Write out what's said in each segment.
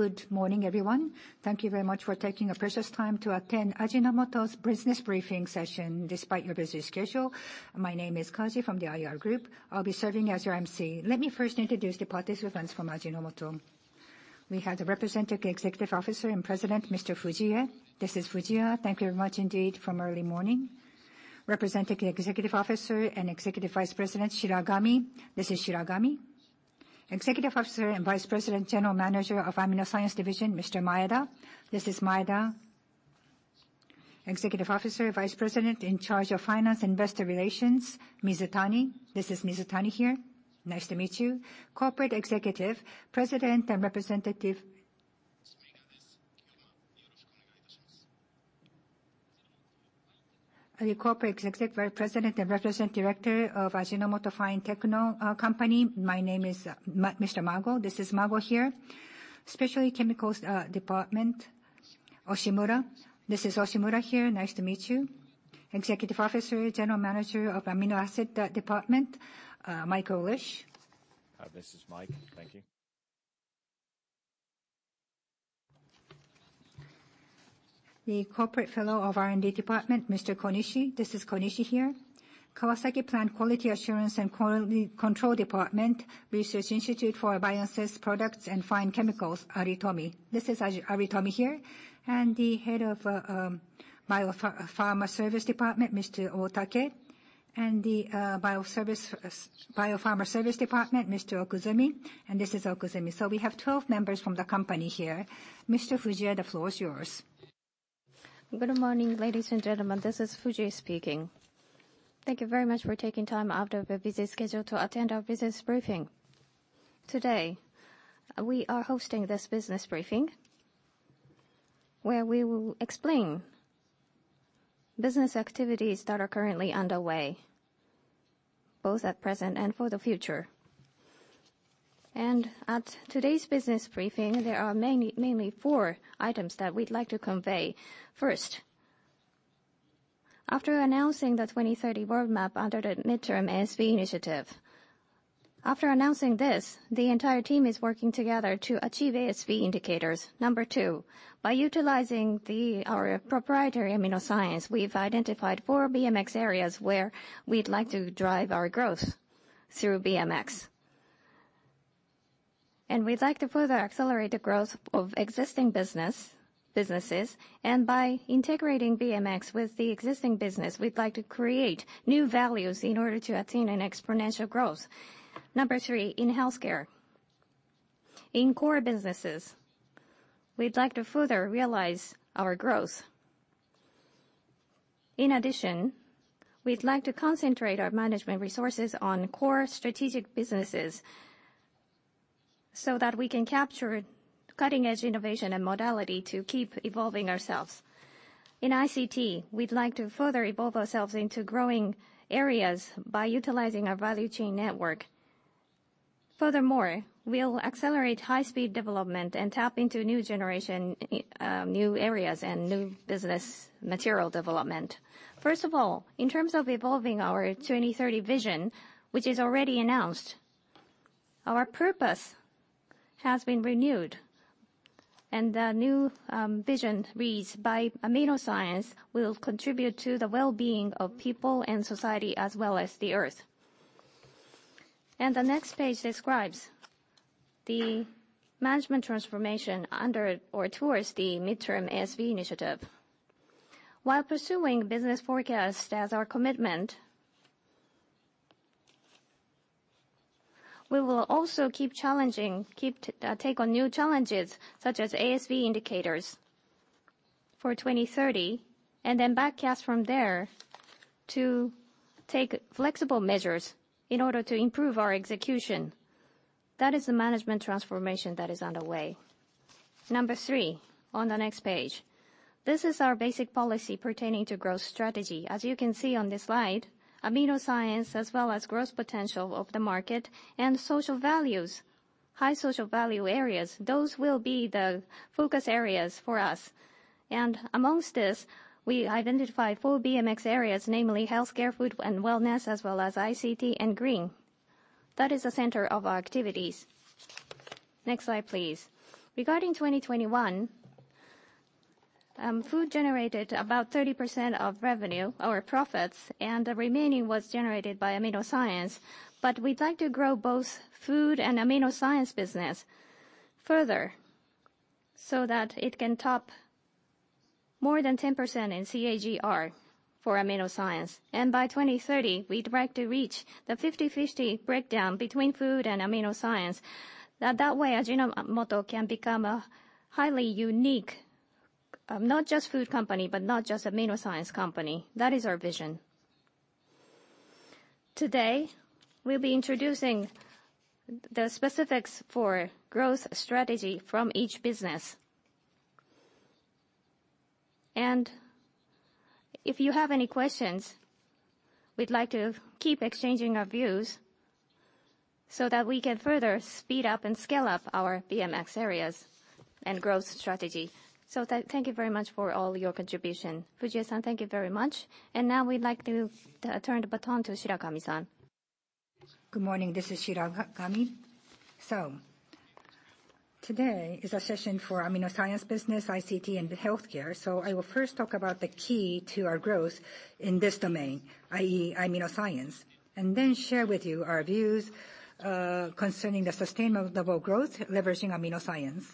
Good morning, everyone. Thank you very much for taking the precious time to attend Ajinomoto's business briefing session, despite your busy schedule. My name is Kaji from the IR group. I'll be serving as your MC. Let me first introduce the participants from Ajinomoto. We have the Representative Executive Officer and President, Mr. Fujie. This is Fujie. Thank you very much indeed from early morning. Representative Executive Officer and Executive Vice President, Shiragami. This is Shiragami. Executive Officer and Vice President, General Manager of AminoScience Division, Mr. Maeda. This is Maeda. Executive Officer, Vice President in charge of Finance and Investor Relations, Mizutani. This is Mizutani here. Nice to meet you. Corporate Executive President and Representative Director of Ajinomoto Fine-Techno Company. My name is Mr. Mago. This is Mago here. Specialty Chemicals Department, Oshimura. This is Oshimura here. Nice to meet you. Executive Officer, General Manager of Amino Acid Department, Michael Lish. Hi. This is Mike. Thank you. The Corporate Fellow of R&D Department, Mr. Konishi. This is Konishi here. Kawasaki Plant Quality Assurance and Quality Control Department, Research Institute for Bioassays Products and Fine Chemicals, Aritomi. This is Aritomi here. The Head of Biopharma Services Department, Mr. Otake. The Biopharma Services Department, Mr. Okuzumi. This is Okuzumi. We have 12 members from the company here. Mr. Fujie, the floor is yours. Good morning, ladies and gentlemen. This is Fujie speaking. Thank you very much for taking time out of your busy schedule to attend our business briefing. Today, we are hosting this business briefing where we will explain business activities that are currently underway, both at present and for the future. At today's business briefing, there are mainly four items that we'd like to convey. First, after announcing the 2030 roadmap under the midterm ASV initiative, after announcing this, the entire team is working together to achieve ASV indicators. Number two, by utilizing our proprietary AminoScience, we've identified four BMX areas where we'd like to drive our growth through BMX. We'd like to further accelerate the growth of existing businesses. By integrating BMX with the existing business, we'd like to create new values in order to attain an exponential growth. Number three, in Healthcare. In core businesses, we'd like to further realize our growth. In addition, we'd like to concentrate our management resources on core strategic businesses so that we can capture cutting-edge innovation and modality to keep evolving ourselves. In ICT, we'd like to further evolve ourselves into growing areas by utilizing our value chain network. Furthermore, we'll accelerate high-speed development and tap into new generation, new areas, and new business material development. First of all, in terms of evolving our 2030 Vision, which is already announced, our purpose has been renewed. The new Vision reads, "By AminoScience, we will contribute to the well-being of people and society, as well as the Earth." The next page describes the management transformation under or towards the midterm ASV initiative. While pursuing business forecast as our commitment, we will also keep challenging, take on new challenges such as ASV indicators for 2030, then back cast from there to take flexible measures in order to improve our execution. That is the management transformation that is underway. Number three, on the next page. This is our basic policy pertaining to growth strategy. As you can see on this slide, AminoScience as well as growth potential of the market and social values, high social value areas, those will be the focus areas for us. Amongst this, we identify four BMX areas, namely Healthcare, Food & Wellness, as well as ICT and Green. That is the center of our activities. Next slide, please. Regarding 2021, food generated about 30% of revenue or profits, and the remaining was generated by AminoScience. We'd like to grow both food and AminoScience business further so that it can top more than 10% in CAGR for AminoScience. By 2030, we'd like to reach the 50/50 breakdown between food and AminoScience. That way, Ajinomoto can become a highly unique, not just food company, but not just AminoScience company. That is our vision. Today, we'll be introducing the specifics for growth strategy from each business. If you have any questions, we'd like to keep exchanging our views so that we can further speed up and scale up our BMX areas and growth strategy. Thank you very much for all your contribution. Fujie-san, thank you very much. Now we'd like to turn the baton to Shiragami-san. Good morning, this is Shiragami. Today is a session for AminoScience business, ICT, and healthcare. I will first talk about the key to our growth in this domain, i.e., AminoScience, and then share with you our views concerning the sustainable growth leveraging AminoScience.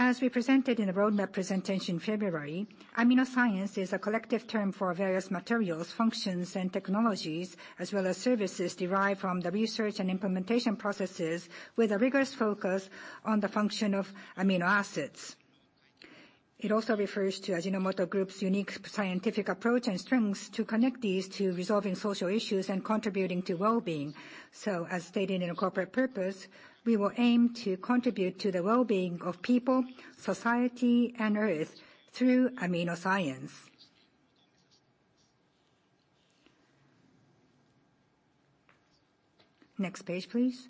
As we presented in a roadmap presentation in February, AminoScience is a collective term for various materials, functions, and technologies, as well as services derived from the research and implementation processes with a rigorous focus on the function of amino acids. It also refers to Ajinomoto Group's unique scientific approach and strengths to connect these to resolving social issues and contributing to well-being. As stated in our corporate purpose, we will aim to contribute to the well-being of people, society, and Earth through AminoScience. Next page, please.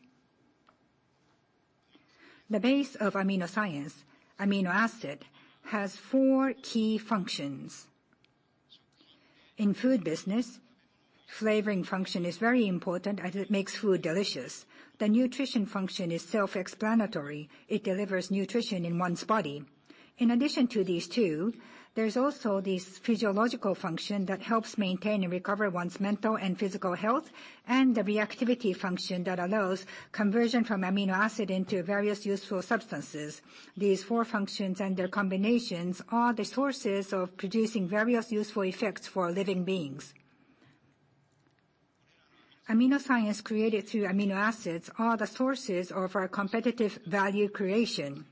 The base of AminoScience, amino acid, has four key functions. In food business, flavoring function is very important as it makes food delicious. The nutrition function is self-explanatory. It delivers nutrition in one's body. In addition to these two, there is also this physiological function that helps maintain and recover one's mental and physical health, and the reactivity function that allows conversion from amino acid into various useful substances. These four functions and their combinations are the sources of producing various useful effects for living beings. AminoScience created through amino acids are the sources of our competitive value creation.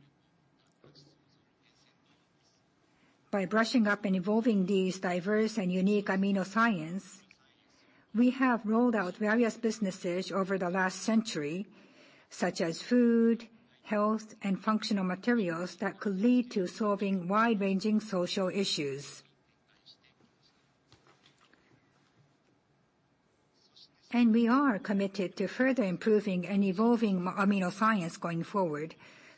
By brushing up and evolving these diverse and unique AminoScience, we have rolled out various businesses over the last century, such as food, health, and Functional Materials that could lead to solving wide-ranging social issues. We are committed to further improving and evolving AminoScience going forward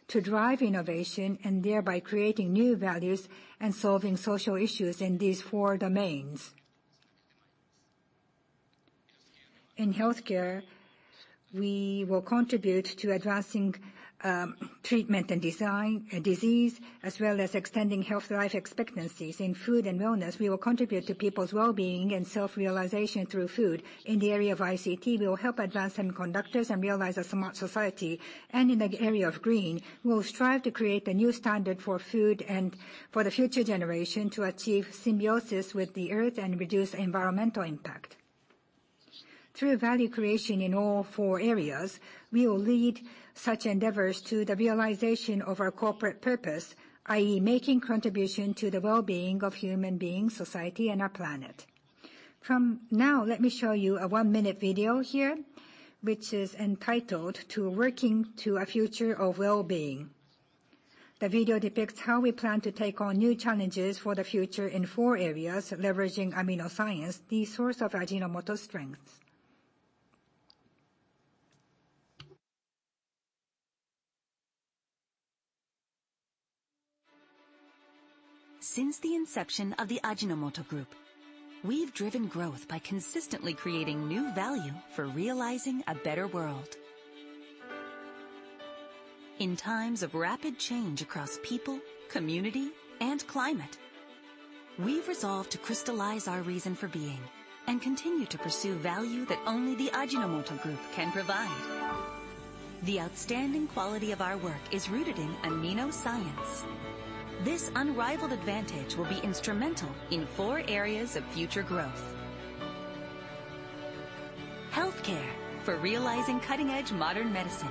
to drive innovation and thereby creating new values and solving social issues in these four domains. In healthcare, we will contribute to advancing treatment and design and disease, as well as extending health life expectancies. In Food & Wellness, we will contribute to people's well-being and self-realization through food. In the area of ICT, we will help advance semiconductors and realize a smart society. In the area of green, we will strive to create a new standard for food and for the future generation to achieve symbiosis with the Earth and reduce environmental impact. Through value creation in all four areas, we will lead such endeavors to the realization of our corporate purpose, i.e., making contribution to the well-being of human beings, society, and our planet. From now, let me show you a one-minute video here, which is entitled Working to a Future of Well-being. The video depicts how we plan to take on new challenges for the future in four areas, leveraging AminoScience, the source of Ajinomoto's strengths. Since the inception of the Ajinomoto Group, we've driven growth by consistently creating new value for realizing a better world. In times of rapid change across people, community, and climate, we've resolved to crystallize our reason for being and continue to pursue value that only the Ajinomoto Group can provide. The outstanding quality of our work is rooted in AminoScience. This unrivaled advantage will be instrumental in four areas of future growth. Healthcare, for realizing cutting-edge modern medicine.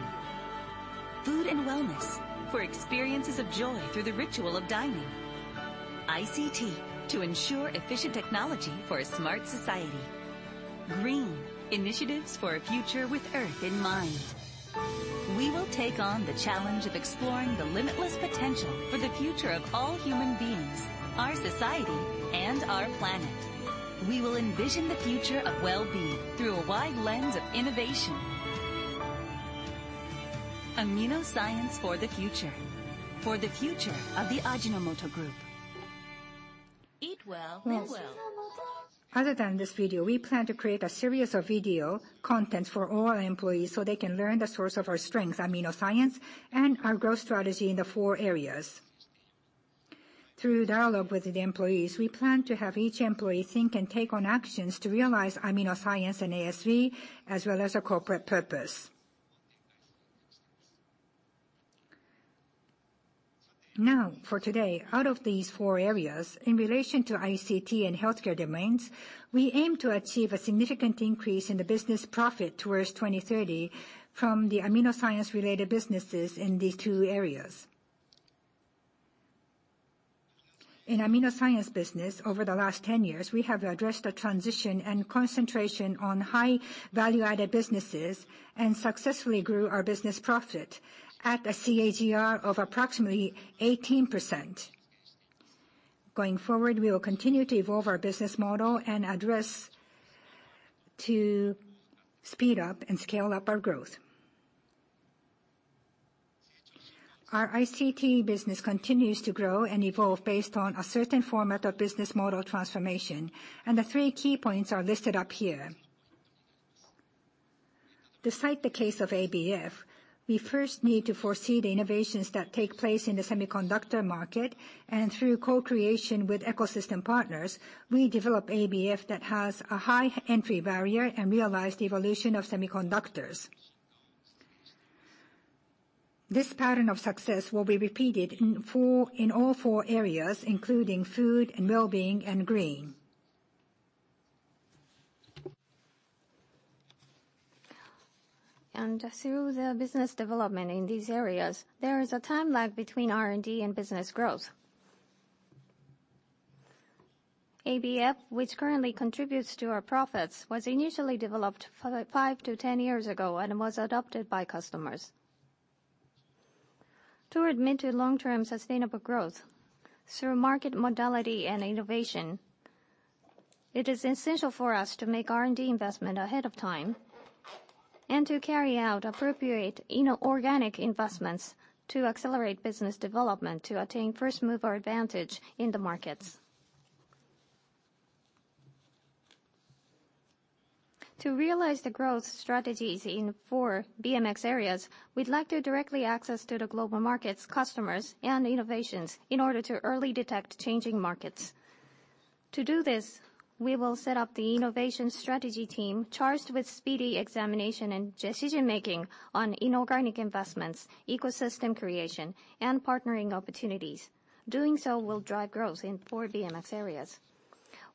Food & Wellness, for experiences of joy through the ritual of dining. ICT, to ensure efficient technology for a smart society. Green, initiatives for a future with Earth in mind. We will take on the challenge of exploring the limitless potential for the future of all human beings, our society, and our planet. We will envision the future of well-being through a wide lens of innovation. AminoScience for the future. For the future of the Ajinomoto Group. Other than this video, we plan to create a series of video content for all our employees so they can learn the source of our strengths, AminoScience, and our growth strategy in the four areas. Through dialogue with the employees, we plan to have each employee think and take on actions to realize AminoScience and ASV, as well as a corporate purpose. For today, out of these four areas, in relation to ICT and healthcare domains, we aim to achieve a significant increase in the business profit towards 2030 from the AminoScience-related businesses in these two areas. In AminoScience business, over the last 10 years, we have addressed the transition and concentration on high value-added businesses and successfully grew our business profit at a CAGR of approximately 18%. Going forward, we will continue to evolve our business model and address to speed up and scale up our growth. Our ICT business continues to grow and evolve based on a certain format of business model transformation. The three key points are listed up here. Despite the case of ABF, we first need to foresee the innovations that take place in the semiconductor market, and through co-creation with ecosystem partners, we develop ABF that has a high entry barrier and realize the evolution of semiconductors. This pattern of success will be repeated in all four areas, including food and wellbeing and green. Through the business development in these areas, there is a time lag between R&D and business growth. ABF, which currently contributes to our profits, was initially developed 5 to 10 years ago and was adopted by customers. To attain long-term sustainable growth through market modality and innovation, it is essential for us to make R&D investment ahead of time and to carry out appropriate inorganic investments to accelerate business development to attain first-mover advantage in the markets. To realize the growth strategies in four BMX areas, we'd like to directly access the global markets, customers, and innovations in order to early detect changing markets. To do this, we will set up the innovation strategy team charged with speedy examination and decision-making on inorganic investments, ecosystem creation, and partnering opportunities. Doing so will drive growth in four BMX areas.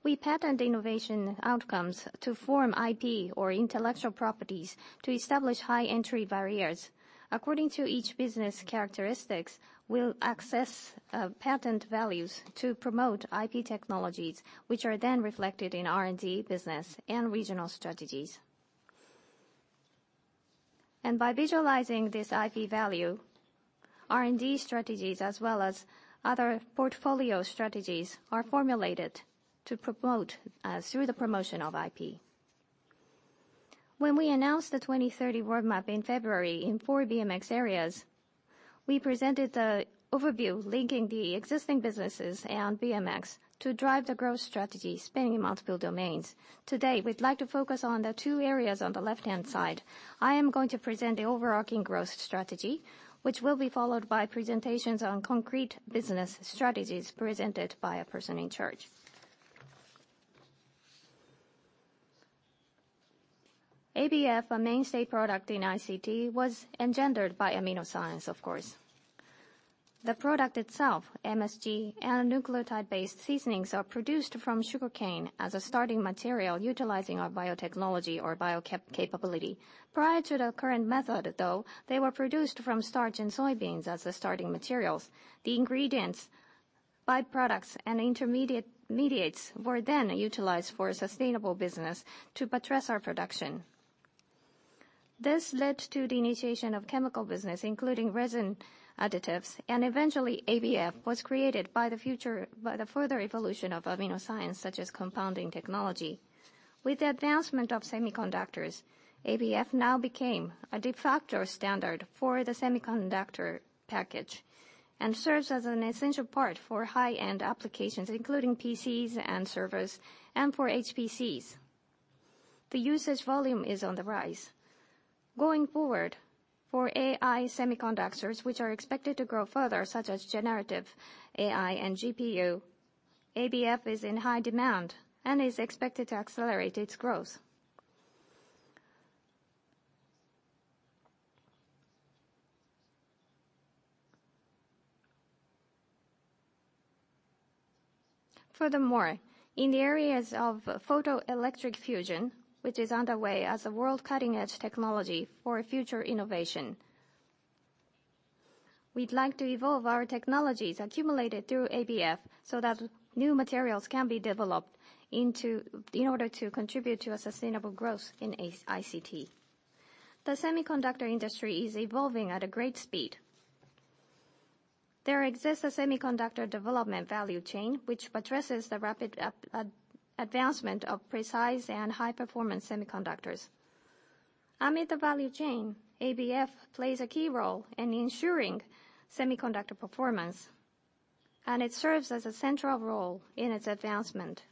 We patent innovation outcomes to form IP or intellectual properties to establish high entry barriers. According to each business' characteristics, we'll assess patent values to promote IP technologies, which are then reflected in R&D business and regional strategies. By visualizing this IP value, R&D strategies as well as other portfolio strategies are formulated to promote through the promotion of IP. When we announced the 2030 roadmap in February in four BMX areas, we presented the overview linking the existing businesses and BMX to drive the growth strategy spanning multiple domains. Today, we'd like to focus on the two areas on the left-hand side. I am going to present the overarching growth strategy, which will be followed by presentations on concrete business strategies presented by a person in charge. ABF, a mainstay product in ICT, was engendered by AminoScience, of course. The product itself, MSG, and nucleotide-based seasonings are produced from sugarcane as a starting material utilizing our biotechnology or bio capability. Prior to the current method, though, they were produced from starch and soybeans as the starting materials. The ingredients, byproducts, and intermediates were utilized for a sustainable business to buttress our production. This led to the initiation of chemical business, including resin additives. Eventually ABF was created by the further evolution of AminoScience, such as compounding technology. With the advancement of semiconductors, ABF now became a de facto standard for the semiconductor package and serves as an essential part for high-end applications, including PCs and servers, and for HPCs. The usage volume is on the rise. Going forward, for AI semiconductors, which are expected to grow further, such as generative AI and GPU, ABF is in high demand and is expected to accelerate its growth. In the areas of photo-electric fusion, which is underway as a world cutting-edge technology for future innovation, we'd like to evolve our technologies accumulated through ABF so that new materials can be developed in order to contribute to a sustainable growth in ICT. The semiconductor industry is evolving at a great speed. There exists a semiconductor development value chain, which addresses the rapid advancement of precise and high-performance semiconductors. Amid the value chain, ABF plays a key role in ensuring semiconductor performance, and it serves as a central role in its advancement.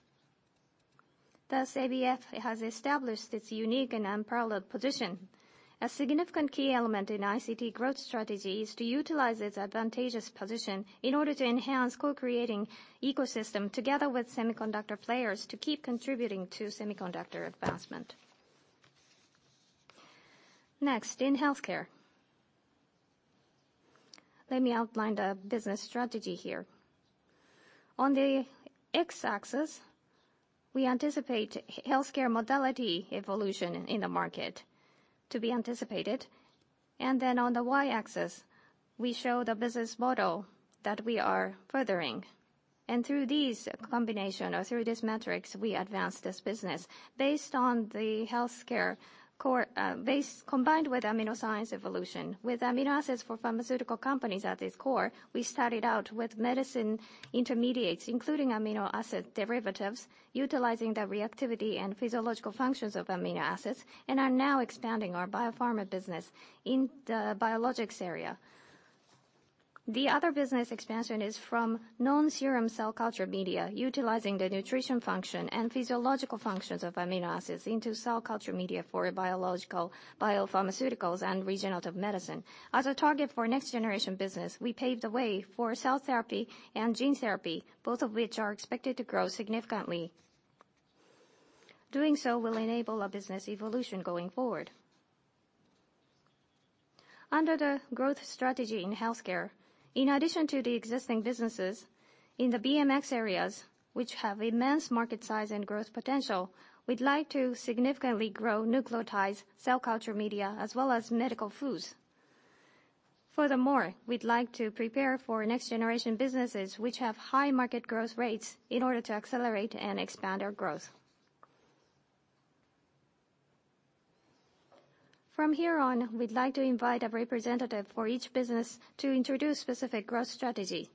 Thus, ABF has established its unique and unparalleled position. A significant key element in ICT growth strategy is to utilize its advantageous position in order to enhance co-creating ecosystem together with semiconductor players to keep contributing to semiconductor advancement. In healthcare, let me outline the business strategy here. On the X-axis, we anticipate healthcare modality evolution in the market to be anticipated, on the Y-axis, we show the business model that we are furthering. Through this combination or through these metrics, we advance this business based on the healthcare core, combined with AminoScience evolution. With amino acids for pharmaceutical companies at its core, we started out with medicine intermediates, including amino acid derivatives, utilizing the reactivity and physiological functions of amino acids, and are now expanding our biopharma business in the biologics area. The other business expansion is from non-serum cell culture media, utilizing the nutrition function and physiological functions of amino acids into cell culture media for biological biopharmaceuticals and regenerative medicine. As a target for next-generation business, we paved the way for cell therapy and gene therapy, both of which are expected to grow significantly. Doing so will enable a business evolution going forward. Under the growth strategy in healthcare, in addition to the existing businesses, in the BMX areas, which have immense market size and growth potential, we'd like to significantly grow nucleotides, cell culture media, as well as medical foods. We'd like to prepare for next-generation businesses which have high market growth rates in order to accelerate and expand our growth. From here on, we'd like to invite a representative for each business to introduce specific growth strategy.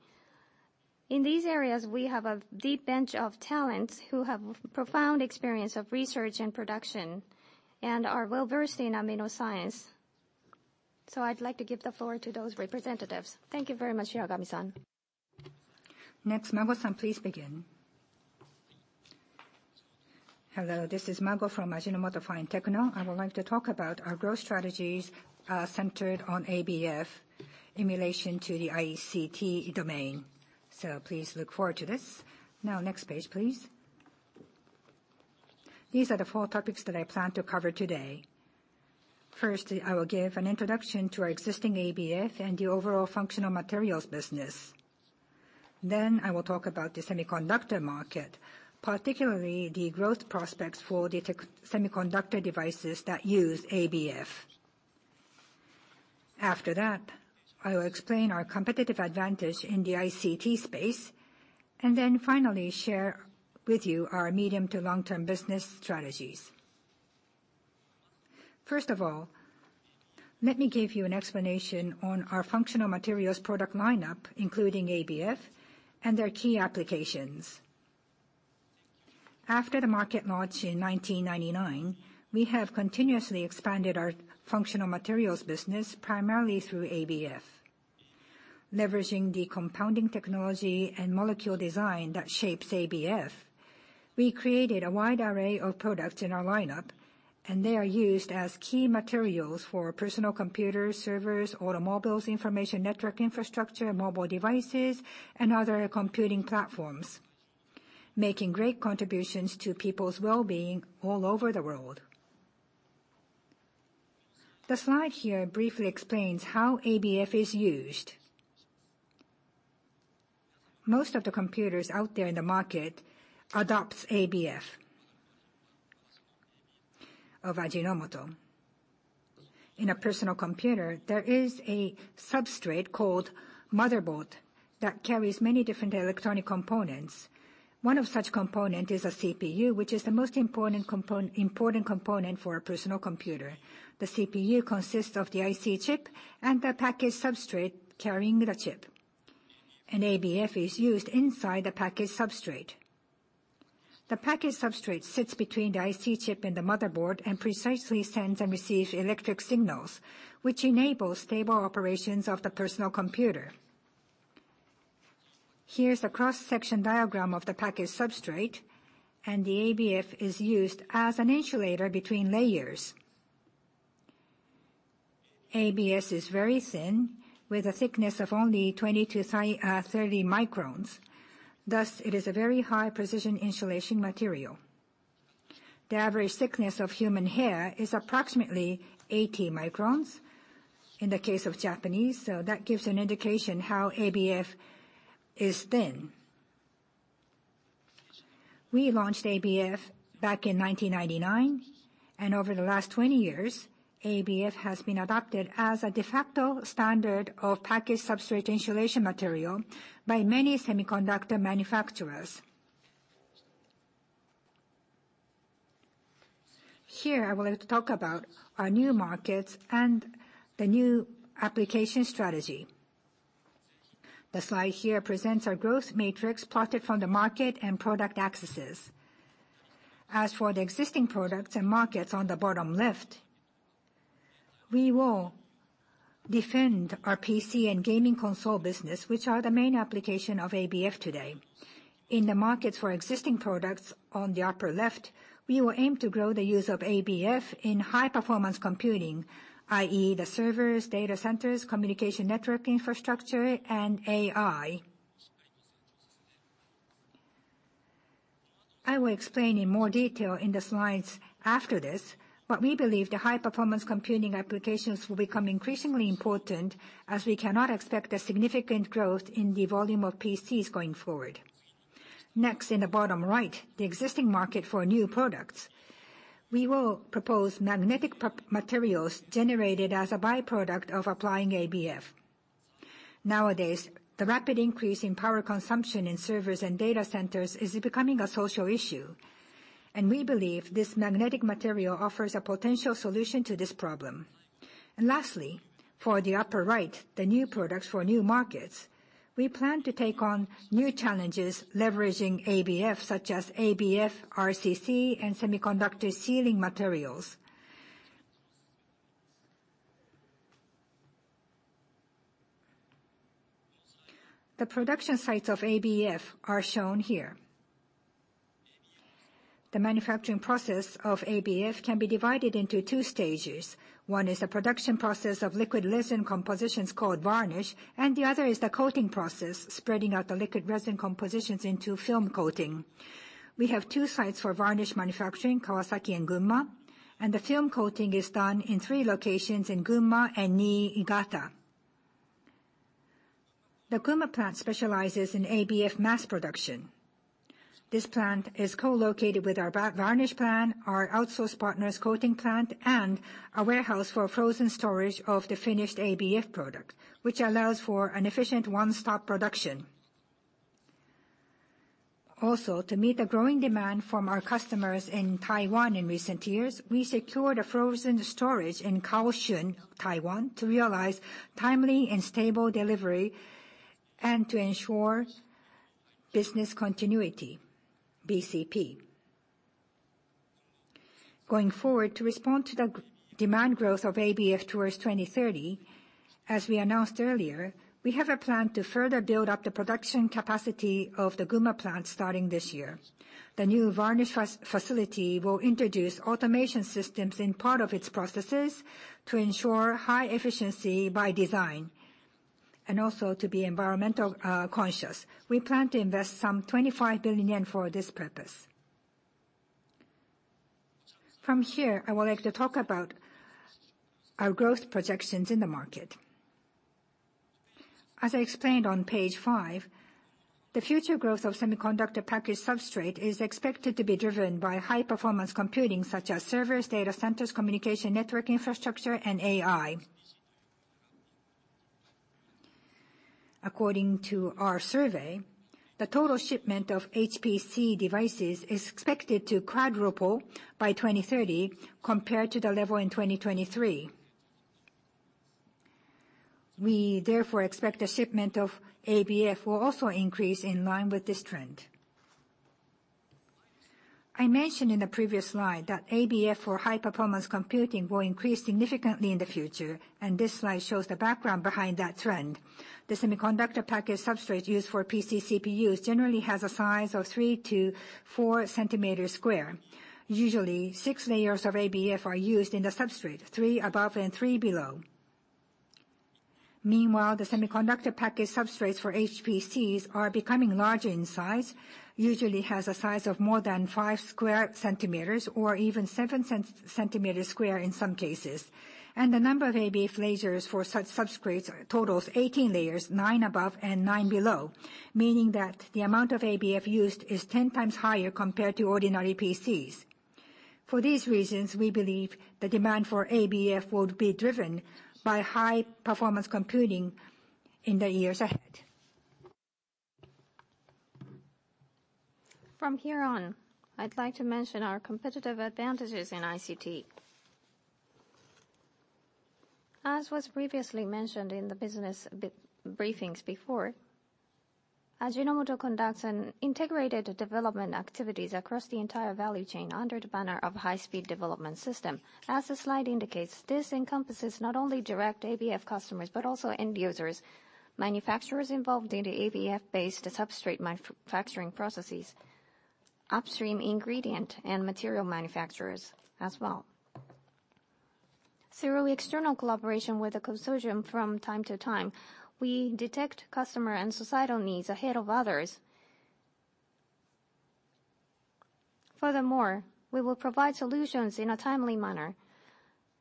In these areas, we have a deep bench of talents who have profound experience of research and production and are well-versed in AminoScience. I'd like to give the floor to those representatives. Thank you very much, Yagami-san. Mago-san, please begin. Hello, this is Mago from Ajinomoto Fine-Techno. I would like to talk about our growth strategies centered on ABF in relation to the ICT domain. Please look forward to this. Next page, please. These are the four topics that I plan to cover today. First, I will give an introduction to our existing ABF and the overall Functional Materials business. I will talk about the semiconductor market, particularly the growth prospects for the semiconductor devices that use ABF. After that, I will explain our competitive advantage in the ICT space, finally share with you our medium to long-term business strategies. First of all, let me give you an explanation on our Functional Materials product lineup, including ABF and their key applications. After the market launch in 1999, we have continuously expanded our Functional Materials business, primarily through ABF. Leveraging the compounding technology and molecule design that shapes ABF, we created a wide array of products in our lineup. They are used as key materials for personal computers, servers, automobiles, information network infrastructure, mobile devices, and other computing platforms, making great contributions to people's wellbeing all over the world. The slide here briefly explains how ABF is used. Most of the computers out there in the market adopts ABF of Ajinomoto. In a personal computer, there is a substrate called motherboard that carries many different electronic components. One of such component is a CPU, which is the most important component for a personal computer. The CPU consists of the IC chip and the package substrate carrying the chip. An ABF is used inside the package substrate. The package substrate sits between the IC chip and the motherboard and precisely sends and receives electric signals, which enables stable operations of the personal computer. Here's a cross-section diagram of the package substrate. The ABF is used as an insulator between layers. ABF is very thin with a thickness of only 20 to 30 microns, thus it is a very high-precision insulation material. The average thickness of human hair is approximately 80 microns in the case of Japanese, so that gives an indication how ABF is thin. We launched ABF back in 1999. Over the last 20 years, ABF has been adopted as a de facto standard of package substrate insulation material by many semiconductor manufacturers. Here, I would like to talk about our new markets and the new application strategy. The slide here presents our growth matrix plotted from the market and product axes. As for the existing products and markets on the bottom left, we will defend our PC and gaming console business, which are the main application of ABF today. In the markets for existing products on the upper left, we will aim to grow the use of ABF in high-performance computing, i.e., the servers, data centers, communication network infrastructure, and AI. I will explain in more detail in the slides after this. We believe the high-performance computing applications will become increasingly important as we cannot expect a significant growth in the volume of PCs going forward. In the bottom right, the existing market for new products. We will propose magnetic materials generated as a byproduct of applying ABF. Nowadays, the rapid increase in power consumption in servers and data centers is becoming a social issue. We believe this magnetic material offers a potential solution to this problem. Lastly, for the upper right, the new products for new markets. We plan to take on new challenges leveraging ABF, such as ABF-RCC and semiconductor sealing materials. The production sites of ABF are shown here. The manufacturing process of ABF can be divided into 2 stages. 1 is the production process of liquid resin compositions called varnish. The other is the coating process, spreading out the liquid resin compositions into film coating. We have 2 sites for varnish manufacturing, Kawasaki and Gunma. The film coating is done in 3 locations in Gunma and Niigata. The Gunma plant specializes in ABF mass production. This plant is co-located with our varnish plant, our outsource partner's coating plant, and a warehouse for frozen storage of the finished ABF product, which allows for an efficient one-stop production. To meet the growing demand from our customers in Taiwan in recent years, we secured a frozen storage in Kaohsiung, Taiwan, to realize timely and stable delivery, and to ensure business continuity, BCP. Going forward, to respond to the demand growth of ABF towards 2030, as we announced earlier, we have a plan to further build up the production capacity of the Gunma plant starting this year. The new varnish facility will introduce automation systems in part of its processes to ensure high efficiency by design, and also to be environmental conscious. We plan to invest some 25 billion yen for this purpose. From here, I would like to talk about our growth projections in the market. As I explained on Page five, the future growth of semiconductor package substrate is expected to be driven by high-performance computing such as servers, data centers, communication network infrastructure, and AI. According to our survey, the total shipment of HPC devices is expected to quadruple by 2030 compared to the level in 2023. We therefore expect the shipment of ABF will also increase in line with this trend. I mentioned in the previous slide that ABF for high-performance computing will increase significantly in the future, and this slide shows the background behind that trend. The semiconductor package substrate used for PC CPUs generally has a size of three to four centimeters square. Usually, six layers of ABF are used in the substrate, three above and three below. Meanwhile, the semiconductor package substrates for HPCs are becoming larger in size, usually has a size of more than five square centimeters, or even seven centimeters square in some cases. The number of ABF layers for such substrates totals 18 layers, nine above and nine below. Meaning that the amount of ABF used is 10 times higher compared to ordinary PCs. For these reasons, we believe the demand for ABF would be driven by high-performance computing in the years ahead. From here on, I'd like to mention our competitive advantages in ICT. As was previously mentioned in the business briefings before, Ajinomoto conducts integrated development activities across the entire value chain under the banner of High-Speed Development System. As the slide indicates, this encompasses not only direct ABF customers but also end users, manufacturers involved in the ABF-based substrate manufacturing processes, upstream ingredient, and material manufacturers as well. Through external collaboration with a consortium from time to time, we detect customer and societal needs ahead of others. Furthermore, we will provide solutions in a timely manner,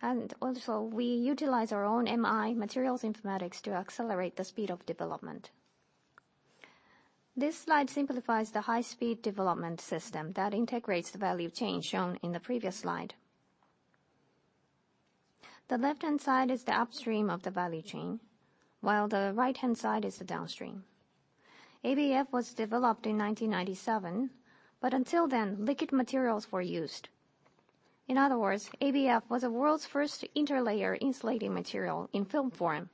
and also we utilize our own MI, Materials Informatics, to accelerate the speed of development. This slide simplifies the High-Speed Development System that integrates the value chain shown in the previous slide. The left-hand side is the upstream of the value chain, while the right-hand side is the downstream. ABF was developed in 1997. Until then, liquid materials were used. In other words, ABF was the world's first interlayer insulating material in film form.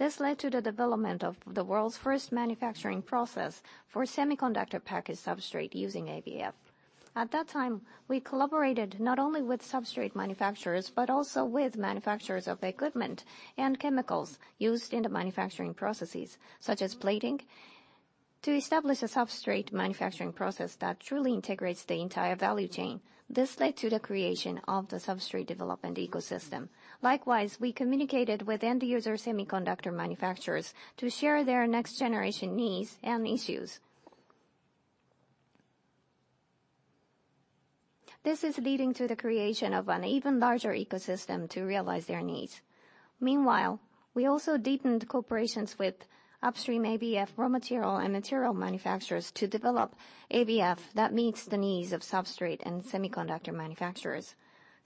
This led to the development of the world's first manufacturing process for semiconductor package substrate using ABF. At that time, we collaborated not only with substrate manufacturers, but also with manufacturers of equipment and chemicals used in the manufacturing processes, such as plating, to establish a substrate manufacturing process that truly integrates the entire value chain. This led to the creation of the substrate development ecosystem. Likewise, we communicated with end user semiconductor manufacturers to share their next-generation needs and issues. This is leading to the creation of an even larger ecosystem to realize their needs. Meanwhile, we also deepened cooperations with upstream ABF raw material and material manufacturers to develop ABF that meets the needs of substrate and semiconductor manufacturers.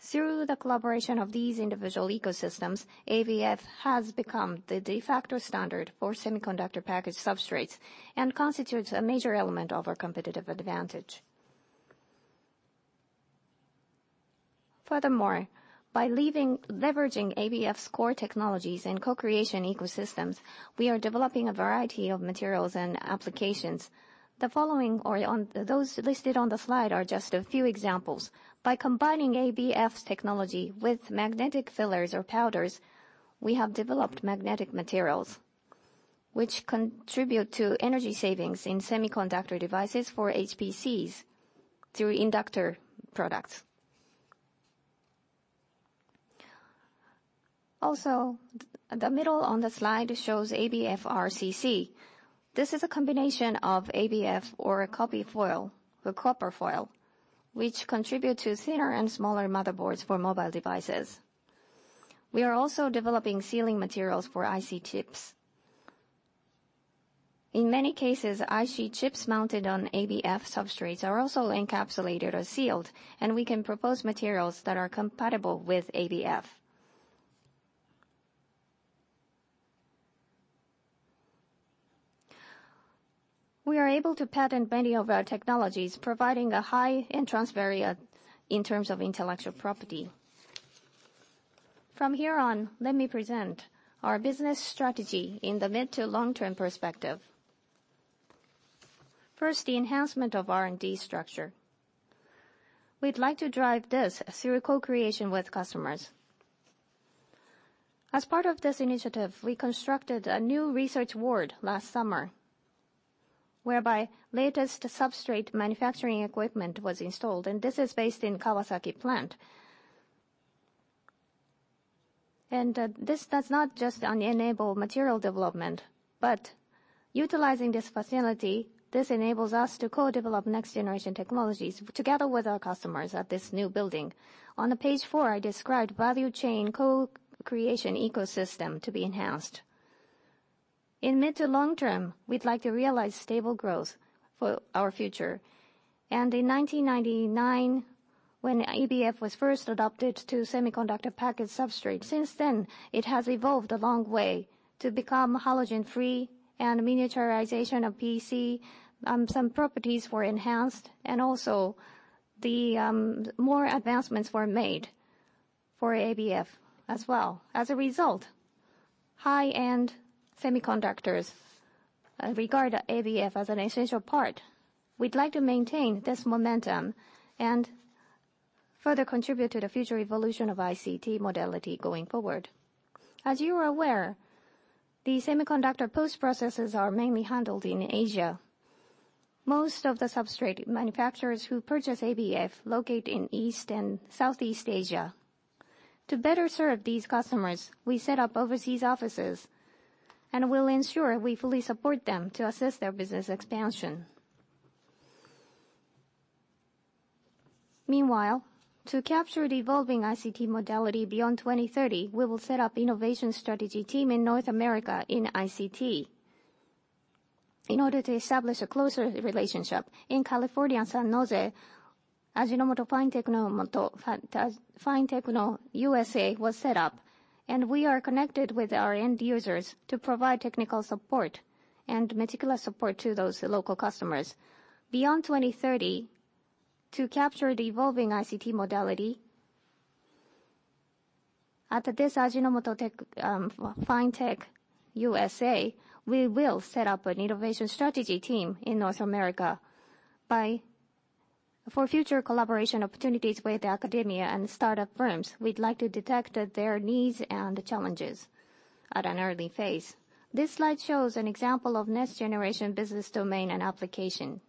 Through the collaboration of these individual ecosystems, ABF has become the de facto standard for semiconductor package substrates and constitutes a major element of our competitive advantage. Furthermore, by leveraging ABF's core technologies and co-creation ecosystems, we are developing a variety of materials and applications. Those listed on the slide are just a few examples. By combining ABF's technology with magnetic fillers or powders, we have developed magnetic materials, which contribute to energy savings in semiconductor devices for HPCs through inductor products. Also, the middle on the slide shows ABF-RCC. This is a combination of ABF and copper foil, which contribute to thinner and smaller motherboards for mobile devices. We are also developing sealing materials for IC chips. In many cases, IC chips mounted on ABF substrates are also encapsulated or sealed, and we can propose materials that are compatible with ABF. We are able to patent many of our technologies, providing a high entrance barrier in terms of intellectual property. From here on, let me present our business strategy in the mid to long-term perspective. First, the enhancement of R&D structure. We'd like to drive this through co-creation with customers. As part of this initiative, we constructed a new research ward last summer, whereby latest substrate manufacturing equipment was installed, and this is based in Kawasaki plant. This does not just only enable material development, but utilizing this facility, this enables us to co-develop next-generation technologies together with our customers at this new building. On page four, I described value chain co-creation ecosystem to be enhanced. In mid to long term, we'd like to realize stable growth for our future. In 1999, when ABF was first adopted to semiconductor package substrate, since then, it has evolved a long way to become halogen free and miniaturization of PC, some properties were enhanced and also more advancements were made for ABF as well. As a result, high-end semiconductors regard ABF as an essential part. We'd like to maintain this momentum and further contribute to the future evolution of ICT modality going forward. As you are aware, the semiconductor post-processes are mainly handled in Asia. Most of the substrate manufacturers who purchase ABF locate in East and Southeast Asia. To better serve these customers, we set up overseas offices and will ensure we fully support them to assist their business expansion. Meanwhile, to capture the evolving ICT modality beyond 2030, we will set up innovation strategy team in North America in ICT. In order to establish a closer relationship in California and San Jose, Ajinomoto Fine-Techno USA was set up, and we are connected with our end users to provide technical support and meticulous support to those local customers. Beyond 2030, to capture the evolving ICT modality, at this Ajinomoto Fine-Techno USA, we will set up an innovation strategy team in North America. For future collaboration opportunities with academia and startup firms, we'd like to detect their needs and challenges at an early phase. This slide shows an example of next generation business domain and application.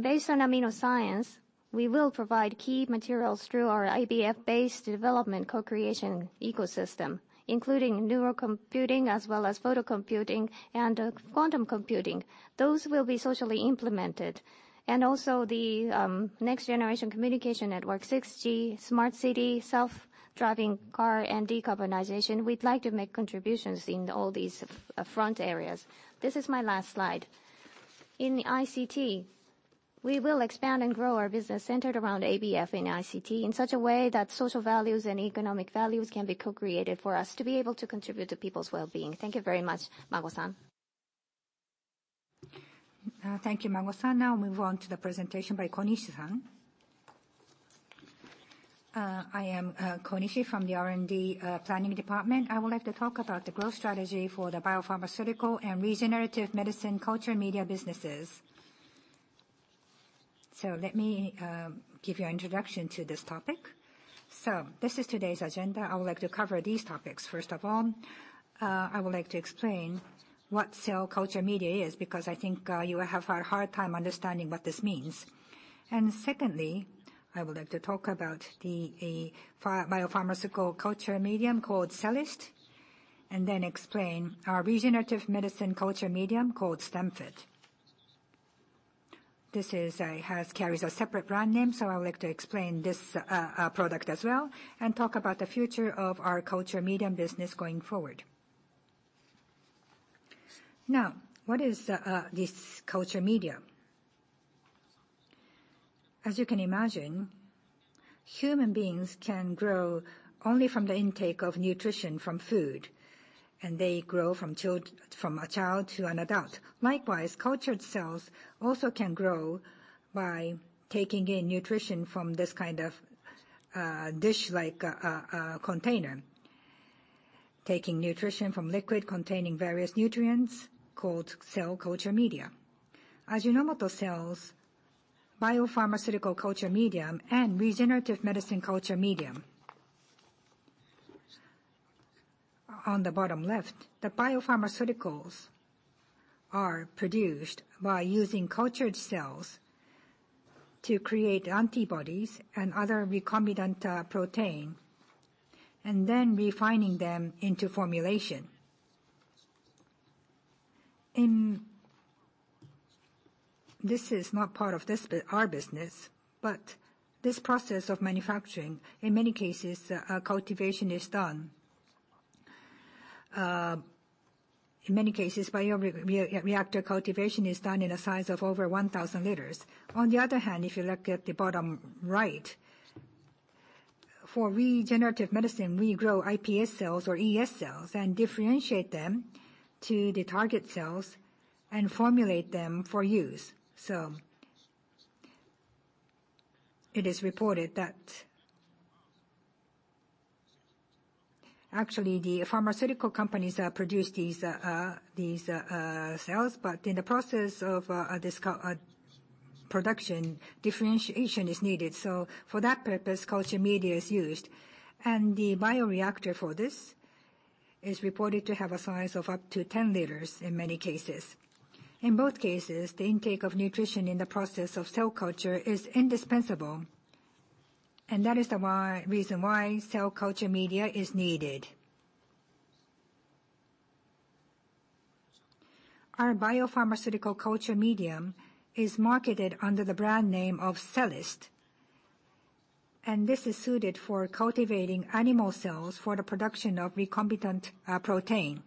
Based on AminoScience, we will provide key materials through our ABF-based development co-creation ecosystem, including neural computing as well as photo computing and quantum computing. Those will be socially implemented. Also, the next generation communication network, 6G, smart city, self-driving car, and decarbonization. We'd like to make contributions in all these front areas. This is my last slide. In ICT, we will expand and grow our business centered around ABF and ICT in such a way that social values and economic values can be co-created for us to be able to contribute to people's wellbeing. Thank you very much. Mago-san. Thank you, Mago-san. Now we move on to the presentation by Konishi-san. I am Konishi from the R&D Planning Department. I would like to talk about the growth strategy for the biopharmaceutical and regenerative medicine culture media businesses. Let me give you an introduction to this topic. This is today's agenda. I would like to cover these topics. First of all, I would like to explain what cell culture media is, because I think you will have a hard time understanding what this means. Secondly, I would like to talk about the biopharmaceutical culture medium called CELLiST, and then explain our regenerative medicine culture medium called StemFit. This carries a separate brand name, so I would like to explain this product as well, and talk about the future of our culture medium business going forward. Now, what is this culture medium? As you can imagine, human beings can grow only from the intake of nutrition from food, and they grow from a child to an adult. Likewise, cultured cells also can grow by taking in nutrition from this kind of dish-like container. Taking nutrition from liquid containing various nutrients called cell culture media. Ajinomoto cells- Biopharmaceutical culture medium and regenerative medicine culture medium. On the bottom left, the biopharmaceuticals are produced by using cultured cells to create antibodies and other recombinant protein, and then refining them into formulation. This is not part of our business, but this process of manufacturing, in many cases, bioreactor cultivation is done in a size of over 1,000 liters. On the other hand, if you look at the bottom right, for regenerative medicine, we grow iPS cells or ES cells and differentiate them to the target cells and formulate them for use. It is reported that actually the pharmaceutical companies produce these cells, but in the process of this production, differentiation is needed. For that purpose, culture media is used. The bioreactor for this is reported to have a size of up to 10 liters in many cases. In both cases, the intake of nutrition in the process of cell culture is indispensable, and that is the reason why cell culture media is needed. Our biopharmaceutical culture medium is marketed under the brand name of CELLiST, and this is suited for cultivating animal cells for the production of recombinant protein.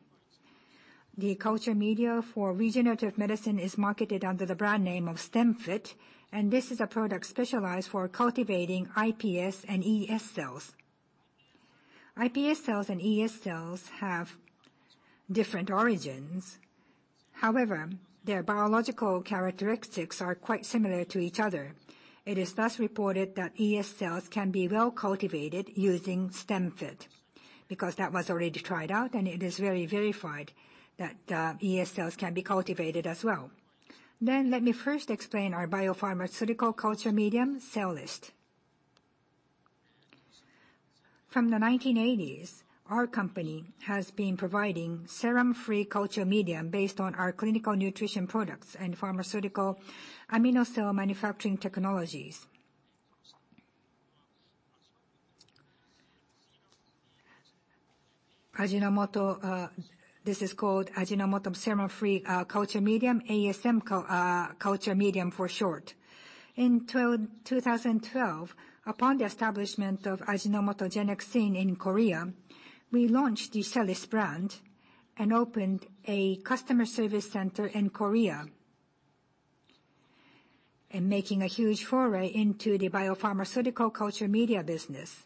The culture media for regenerative medicine is marketed under the brand name of StemFit, and this is a product specialized for cultivating iPS and ES cells. iPS cells and ES cells have different origins. However, their biological characteristics are quite similar to each other. It is thus reported that ES cells can be well cultivated using StemFit, because that was already tried out, and it is very verified that ES cells can be cultivated as well. Let me first explain our biopharmaceutical culture medium, CELLiST. From the 1980s, our company has been providing serum-free culture medium based on our clinical nutrition products and pharmaceutical amino cell manufacturing technologies. This is called Ajinomoto Serum-free Medium, ASM Culture Medium for short. In 2012, upon the establishment of Ajinomoto Genexine in Korea, we launched the CELLiST brand and opened a customer service center in Korea, making a huge foray into the biopharmaceutical culture media business.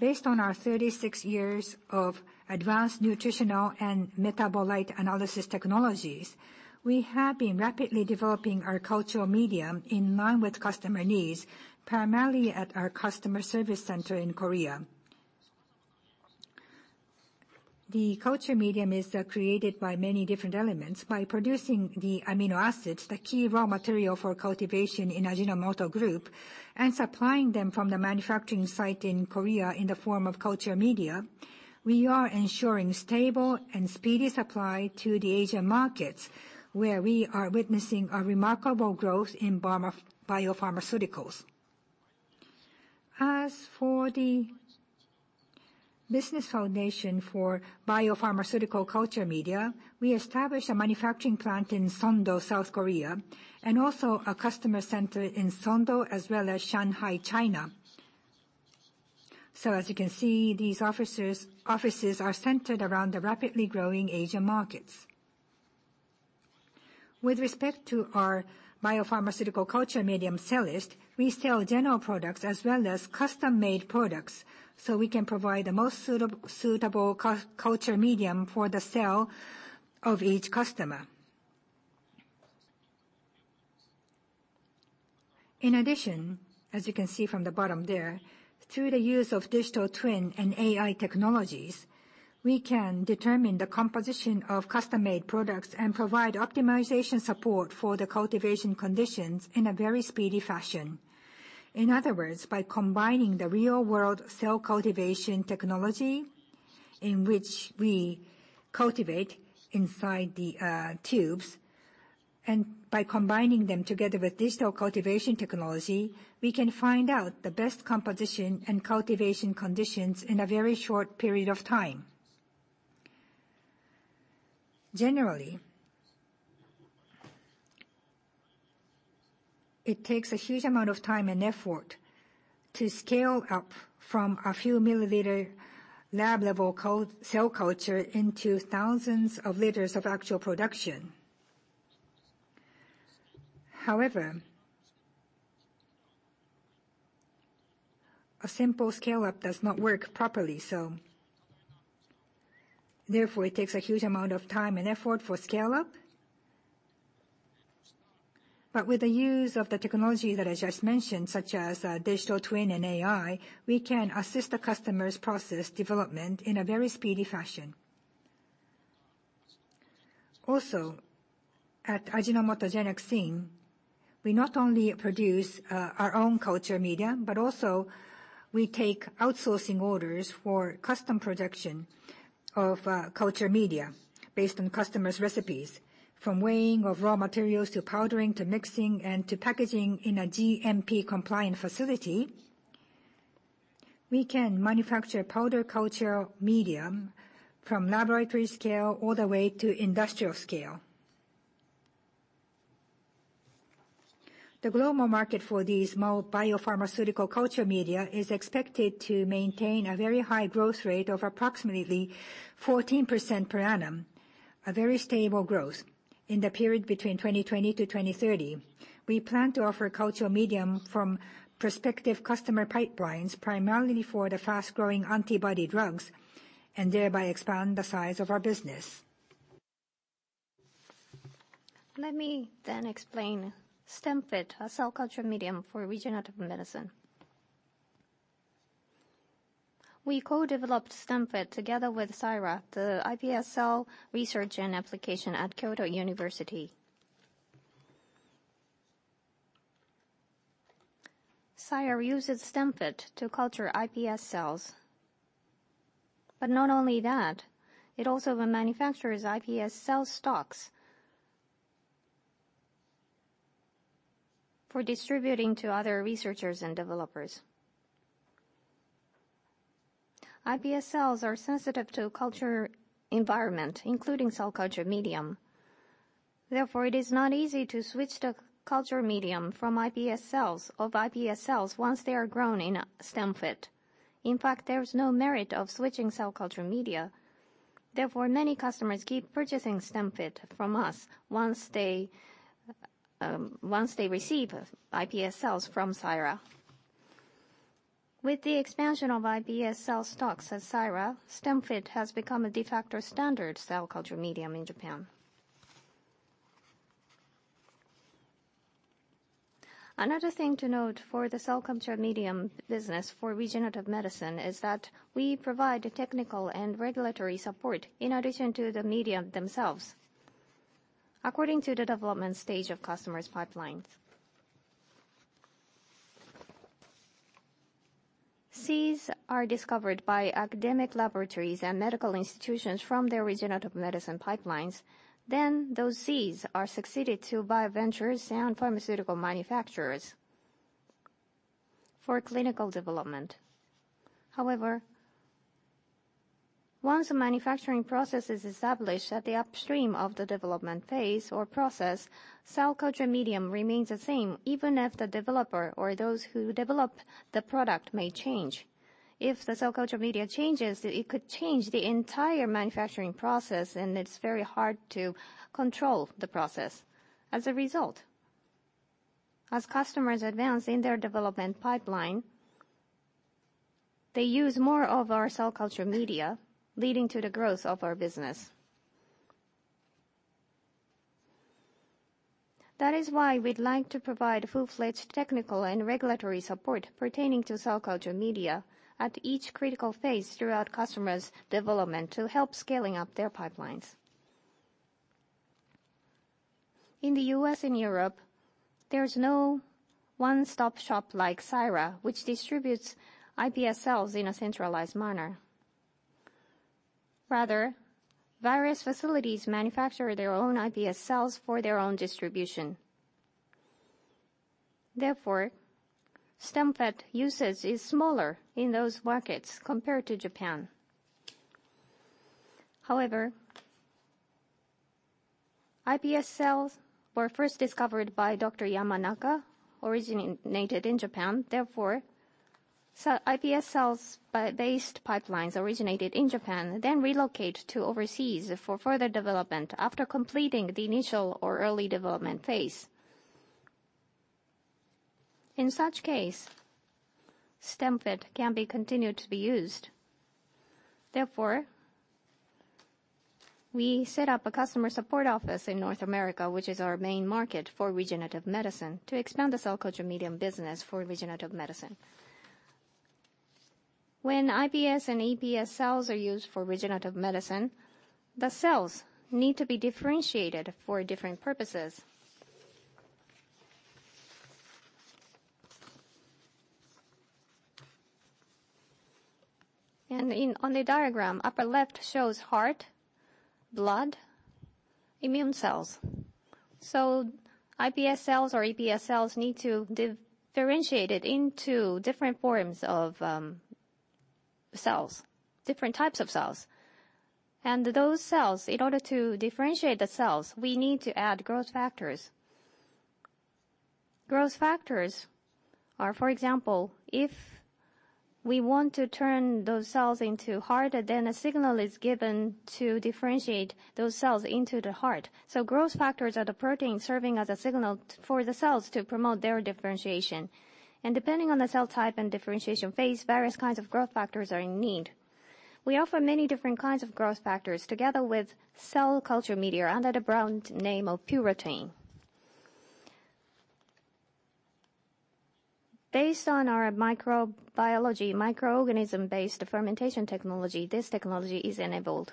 Based on our 36 years of advanced nutritional and metabolite analysis technologies, we have been rapidly developing our cultural medium in line with customer needs, primarily at our customer service center in Korea. The culture medium is created by many different elements. By producing the amino acids, the key raw material for cultivation in Ajinomoto Group, and supplying them from the manufacturing site in Korea in the form of culture medium, we are ensuring stable and speedy supply to the Asian markets, where we are witnessing a remarkable growth in biopharmaceuticals. As for the business foundation for biopharmaceutical culture media, we established a manufacturing plant in Songdo, South Korea, and also a customer center in Songdo as well as Shanghai, China. As you can see, these offices are centered around the rapidly growing Asian markets. With respect to our biopharmaceutical culture medium, CELLiST, we sell general products as well as custom-made products, so we can provide the most suitable culture medium for the cell of each customer. In addition, as you can see from the bottom there, through the use of digital twin and AI technologies, we can determine the composition of custom-made products and provide optimization support for the cultivation conditions in a very speedy fashion. In other words, by combining the real-world cell cultivation technology in which we cultivate inside the tubes, and by combining them together with digital cultivation technology, we can find out the best composition and cultivation conditions in a very short period of time. Generally, it takes a huge amount of time and effort to scale up from a few milliliter lab-level cell culture into thousands of liters of actual production. However, a simple scale-up does not work properly, therefore it takes a huge amount of time and effort for scale up. With the use of the technology that I just mentioned, such as digital twin and AI, we can assist the customer's process development in a very speedy fashion. At Ajinomoto Genexine, we not only produce our own culture media, but also we take outsourcing orders for custom production of culture media based on customers' recipes. From weighing of raw materials, to powdering, to mixing, and to packaging in a GMP-compliant facility, we can manufacture powder culture medium from laboratory scale all the way to industrial scale. The global market for these biopharmaceutical culture media is expected to maintain a very high growth rate of approximately 14% per annum, a very stable growth. In the period between 2020 to 2030, we plan to offer culture medium from prospective customer pipelines, primarily for the fast-growing antibody drugs, and thereby expand the size of our business. Let me explain StemFit, a cell culture medium for regenerative medicine. We co-developed StemFit together with CiRA, the iPS cell research and application at Kyoto University. CiRA uses StemFit to culture iPS cells. Not only that, it also manufactures iPS cell stocks for distributing to other researchers and developers. iPS cells are sensitive to culture environment, including cell culture medium. It is not easy to switch the culture medium from iPS cells once they are grown in StemFit. In fact, there's no merit of switching cell culture media. Many customers keep purchasing StemFit from us once they receive iPS cells from CiRA. With the expansion of iPS cell stocks at CiRA, StemFit has become a de facto standard cell culture medium in Japan. Another thing to note for the cell culture medium business for regenerative medicine is that we provide technical and regulatory support in addition to the medium themselves, according to the development stage of customers' pipelines. Seeds are discovered by academic laboratories and medical institutions from their regenerative medicine pipelines. Those seeds are succeeded to bioventures and pharmaceutical manufacturers for clinical development. Once a manufacturing process is established at the upstream of the development phase or process, cell culture medium remains the same even if the developer or those who develop the product may change. If the cell culture media changes, it could change the entire manufacturing process, and it's very hard to control the process. As a result, as customers advance in their development pipeline, they use more of our cell culture media, leading to the growth of our business. That is why we'd like to provide full-fledged technical and regulatory support pertaining to cell culture media at each critical phase throughout customers' development to help scaling up their pipelines. In the U.S. and Europe, there's no one-stop shop like CiRA, which distributes iPS cells in a centralized manner. Rather, various facilities manufacture their own iPS cells for their own distribution. StemFit usage is smaller in those markets compared to Japan. iPS cells were first discovered by Dr. Yamanaka, originated in Japan. iPS cell-based pipelines originated in Japan, then relocate to overseas for further development after completing the initial or early development phase. In such case, StemFit can be continued to be used. We set up a customer support office in North America, which is our main market for regenerative medicine, to expand the cell culture medium business for regenerative medicine. When iPS and ES cells are used for regenerative medicine, the cells need to be differentiated for different purposes. On the diagram, upper left shows heart, blood, immune cells. iPS cells or ES cells need to differentiate into different forms of cells, different types of cells. Those cells, in order to differentiate the cells, we need to add growth factors. Growth factors are, for example, if we want to turn those cells into heart, then a signal is given to differentiate those cells into the heart. Growth factors are the protein serving as a signal for the cells to promote their differentiation. Depending on the cell type and differentiation phase, various kinds of growth factors are in need. We offer many different kinds of growth factors together with cell culture media under the brand name of PureProtein. Based on our microbiology microorganism-based fermentation technology, this technology is enabled.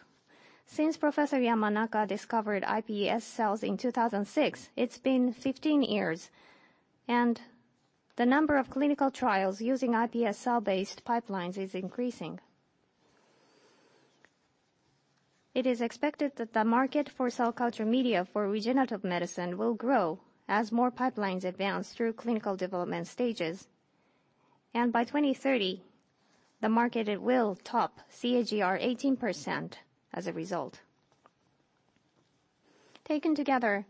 Since Professor Yamanaka discovered iPS cells in 2006, it's been 15 years. The number of clinical trials using iPS cell-based pipelines is increasing. It is expected that the market for cell culture media for regenerative medicine will grow as more pipelines advance through clinical development stages. By 2030, the market will top CAGR 18% as a result. Taken together,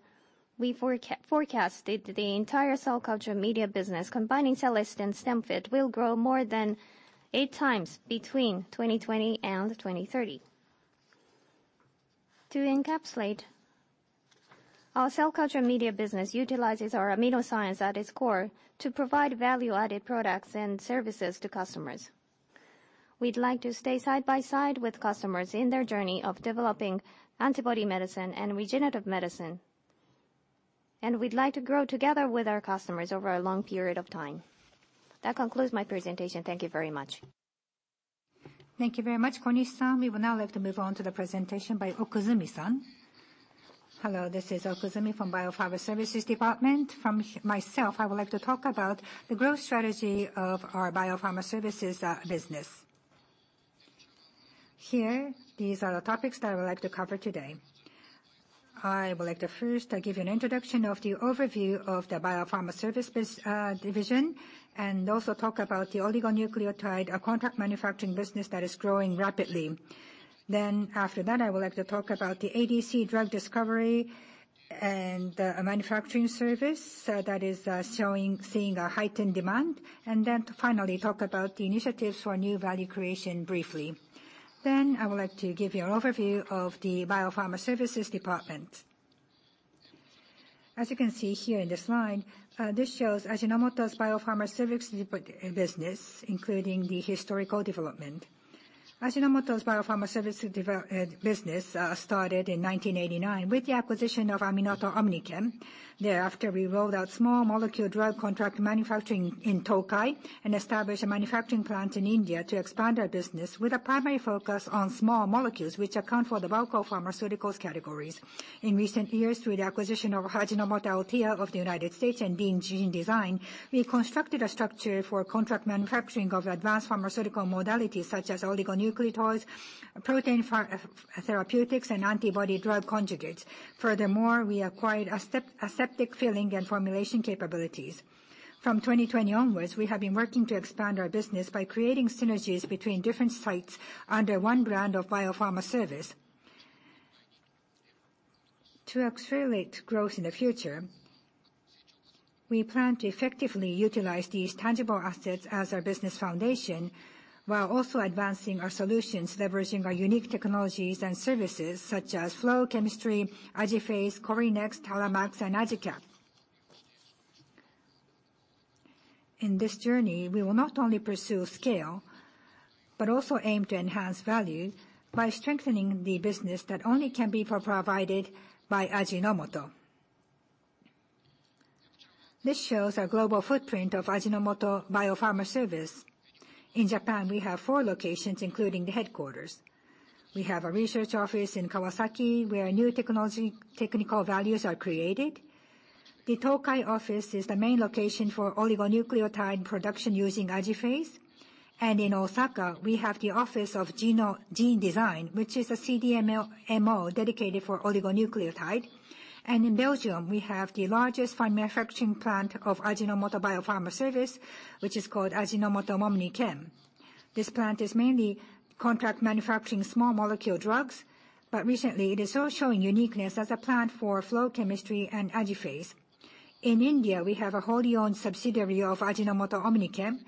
we forecasted the entire cell culture media business, combining CELLiST and StemFit, will grow more than eight times between 2020 and 2030. To encapsulate, our cell culture media business utilizes our AminoScience at its core to provide value-added products and services to customers. We'd like to stay side by side with customers in their journey of developing antibody medicine and regenerative medicine. We'd like to grow together with our customers over a long period of time. That concludes my presentation. Thank you very much. Thank you very much, Konishi-san. We would now like to move on to the presentation by Okuzumi-san. Hello, this is Okuzumi from Biopharma Services Department. From myself, I would like to talk about the growth strategy of our Biopharma Services business. Here, these are the topics that I would like to cover today. I would like to first give you an introduction of the overview of the Biopharma Services business division, also talk about the oligonucleotide contract manufacturing business that is growing rapidly. After that, I would like to talk about the ADC drug discovery and manufacturing service that is seeing a heightened demand. To finally talk about the initiatives for new value creation briefly. I would like to give you an overview of the Biopharma Services Department. As you can see here in this slide, this shows Ajinomoto's Bio-Pharma Services business, including the historical development. Ajinomoto's Bio-Pharma Services business started in 1989 with the acquisition of Ajinomoto OmniChem. Thereafter, we rolled out small molecule drug contract manufacturing in Tokai and established a manufacturing plant in India to expand our business with a primary focus on small molecules, which account for the bulk of pharmaceuticals categories. In recent years, through the acquisition of Ajinomoto Althea, Inc. of the U.S. and GeneDesign, Inc., we constructed a structure for contract manufacturing of advanced pharmaceutical modalities such as oligonucleotides, protein therapeutics, and antibody-drug conjugates. Furthermore, we acquired aseptic filling and formulation capabilities. From 2020 onwards, we have been working to expand our business by creating synergies between different sites under one brand of Bio-Pharma Service. To accelerate growth in the future, we plan to effectively utilize these tangible assets as our business foundation, while also advancing our solutions, leveraging our unique technologies and services such as flow chemistry, AJIPHASE, CORYNEX, TALAMAX, and AJICAP. In this journey, we will not only pursue scale, but also aim to enhance value by strengthening the business that only can be provided by Ajinomoto. This shows our global footprint of Ajinomoto Bio-Pharma Services. In Japan, we have four locations, including the headquarters. We have a research office in Kawasaki, where new technical values are created. The Tokai office is the main location for oligonucleotide production using AJIPHASE. In Osaka, we have the office of GeneDesign, Inc., which is a CDMO dedicated for oligonucleotide. In Belgium, we have the largest manufacturing plant of Ajinomoto Bio-Pharma Services, which is called Ajinomoto OmniChem. This plant is mainly contract manufacturing small molecule drugs, but recently it is also showing uniqueness as a plant for flow chemistry and AJIPHASE. In India, we have a wholly owned subsidiary of Ajinomoto OmniChem,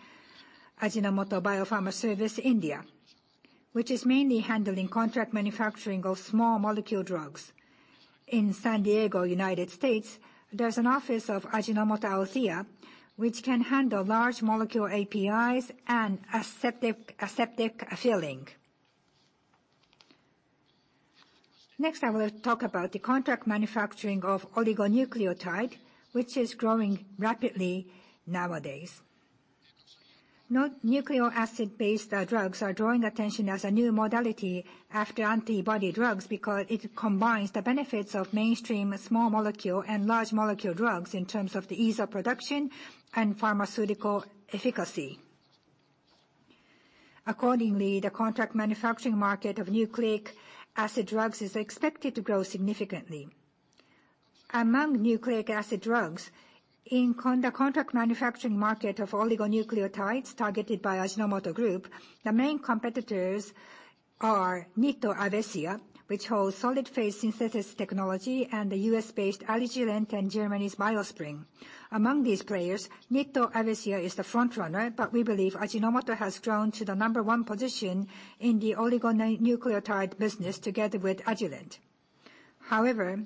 Ajinomoto Bio-Pharma Services India, which is mainly handling contract manufacturing of small molecule drugs. In San Diego, U.S., there's an office of Ajinomoto Althea, Inc., which can handle large molecule APIs and aseptic filling. Next, I will talk about the contract manufacturing of oligonucleotide, which is growing rapidly nowadays. Nucleic acid-based drugs are drawing attention as a new modality after antibody drugs because it combines the benefits of mainstream small molecule and large molecule drugs in terms of the ease of production and pharmaceutical efficacy. Accordingly, the contract manufacturing market of nucleic acid drugs is expected to grow significantly. Among nucleic acid drugs, in the contract manufacturing market of oligonucleotides targeted by Ajinomoto Group, the main competitors are Nitto Avecia, which holds solid-phase synthesis technology, and the U.S.-based Agilent and Germany's BioSpring. Among these players, Nitto Avecia is the frontrunner, but we believe Ajinomoto has grown to the number one position in the oligonucleotide business together with Agilent. However,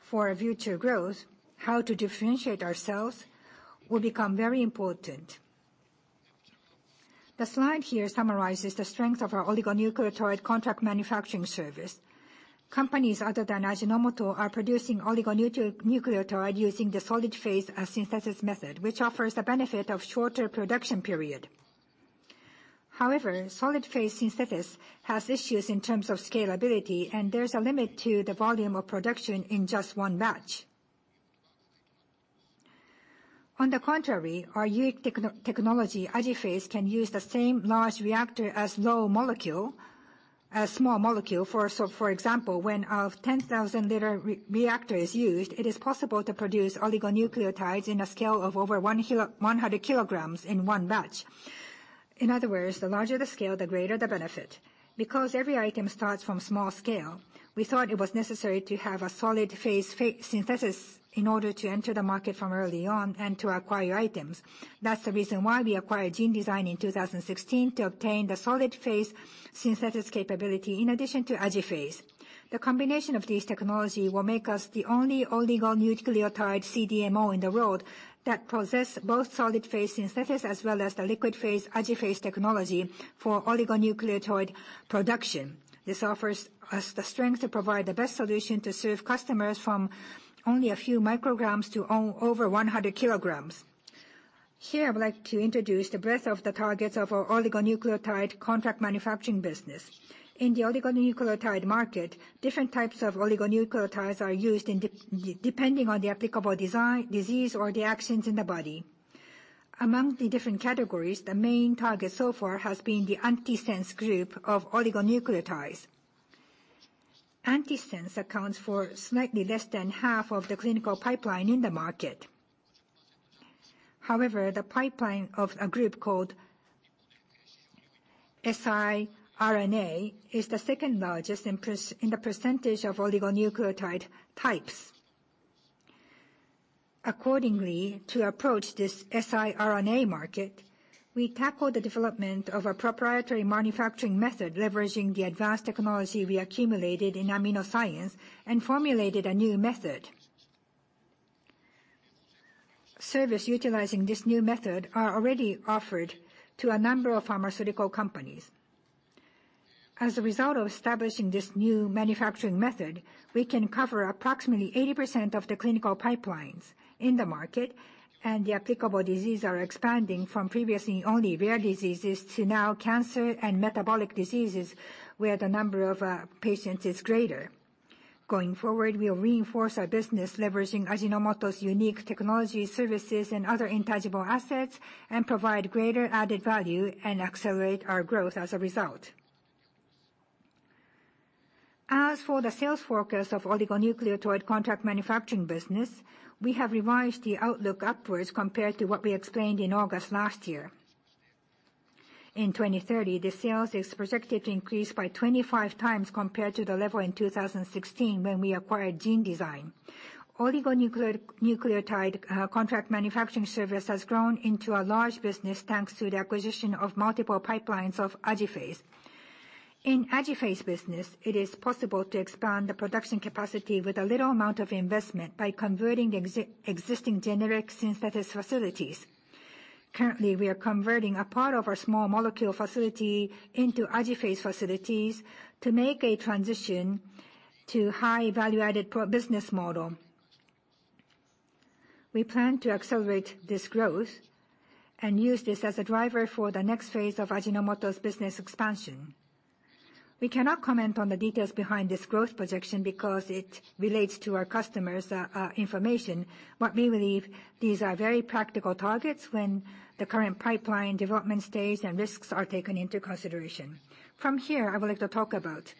for our future growth, how to differentiate ourselves will become very important. The slide here summarizes the strength of our oligonucleotide contract manufacturing service. Companies other than Ajinomoto are producing oligonucleotide using the solid-phase synthesis method, which offers the benefit of shorter production period. However, solid-phase synthesis has issues in terms of scalability, and there's a limit to the volume of production in just one batch. On the contrary, our unique technology, AJIPHASE, can use the same large reactor as small molecule. For example, when a 10,000-liter reactor is used, it is possible to produce oligonucleotides in a scale of over 100 kilograms in one batch. In other words, the larger the scale, the greater the benefit. Because every item starts from small scale, we thought it was necessary to have a solid phase synthesis in order to enter the market from early on and to acquire items. That's the reason why we acquired GeneDesign in 2016 to obtain the solid phase synthesis capability in addition to AJIPHASE. The combination of these technology will make us the only oligonucleotide CDMO in the world that possess both solid phase synthesis as well as the liquid phase AJIPHASE technology for oligonucleotide production. This offers us the strength to provide the best solution to serve customers from only a few micrograms to over 100 kilograms. Here, I would like to introduce the breadth of the targets of our oligonucleotide contract manufacturing business. In the oligonucleotide market, different types of oligonucleotides are used depending on the applicable disease or the actions in the body. Among the different categories, the main target so far has been the antisense group of oligonucleotides. Antisense accounts for slightly less than half of the clinical pipeline in the market. However, the pipeline of a group called siRNA is the second largest in the percentage of oligonucleotide types. Accordingly, to approach this siRNA market, we tackled the development of a proprietary manufacturing method leveraging the advanced technology we accumulated in AminoScience and formulated a new method. Service utilizing this new method are already offered to a number of pharmaceutical companies. As a result of establishing this new manufacturing method, we can cover approximately 80% of the clinical pipelines in the market, and the applicable disease are expanding from previously only rare diseases to now cancer and metabolic diseases, where the number of patients is greater. Going forward, we'll reinforce our business leveraging Ajinomoto's unique technology services and other intangible assets and provide greater added value and accelerate our growth as a result. As for the sales forecast of oligonucleotide contract manufacturing business, we have revised the outlook upwards compared to what we explained in August last year. In 2030, the sales is projected to increase by 25 times compared to the level in 2016, when we acquired GeneDesign. Oligonucleotide contract manufacturing service has grown into a large business thanks to the acquisition of multiple pipelines of AJIPHASE. In AJIPHASE business, it is possible to expand the production capacity with a little amount of investment by converting the existing generic synthesis facilities. Currently, we are converting a part of our small molecule facility into AJIPHASE facilities to make a transition to high value-added per business model. We plan to accelerate this growth and use this as a driver for the next phase of Ajinomoto's business expansion. We cannot comment on the details behind this growth projection because it relates to our customers' information. What we believe, these are very practical targets when the current pipeline development stage and risks are taken into consideration. From here, I would like to talk about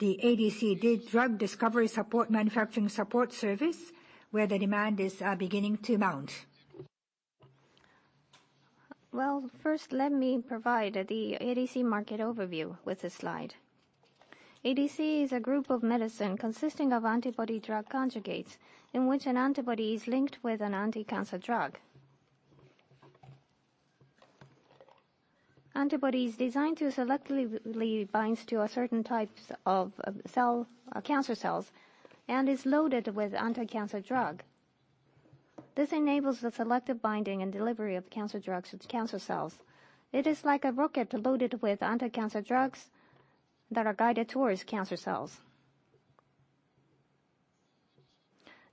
the ADC, drug discovery support, manufacturing support service, where the demand is beginning to mount. First, let me provide the ADC market overview with this slide. ADC is a group of medicine consisting of antibody drug conjugates, in which an antibody is linked with an anticancer drug. Antibody is designed to selectively binds to a certain types of cell, cancer cells and is loaded with anticancer drug. This enables the selective binding and delivery of cancer drugs with cancer cells. It is like a rocket loaded with anticancer drugs that are guided towards cancer cells.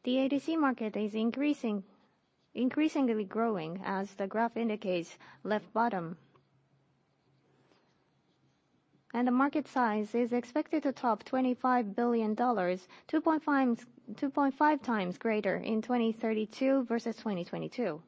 The ADC market is increasingly growing, as the graph indicates, left bottom. The market size is expected to top JPY 25 billion, 2.5 times greater in 2032 versus 2022.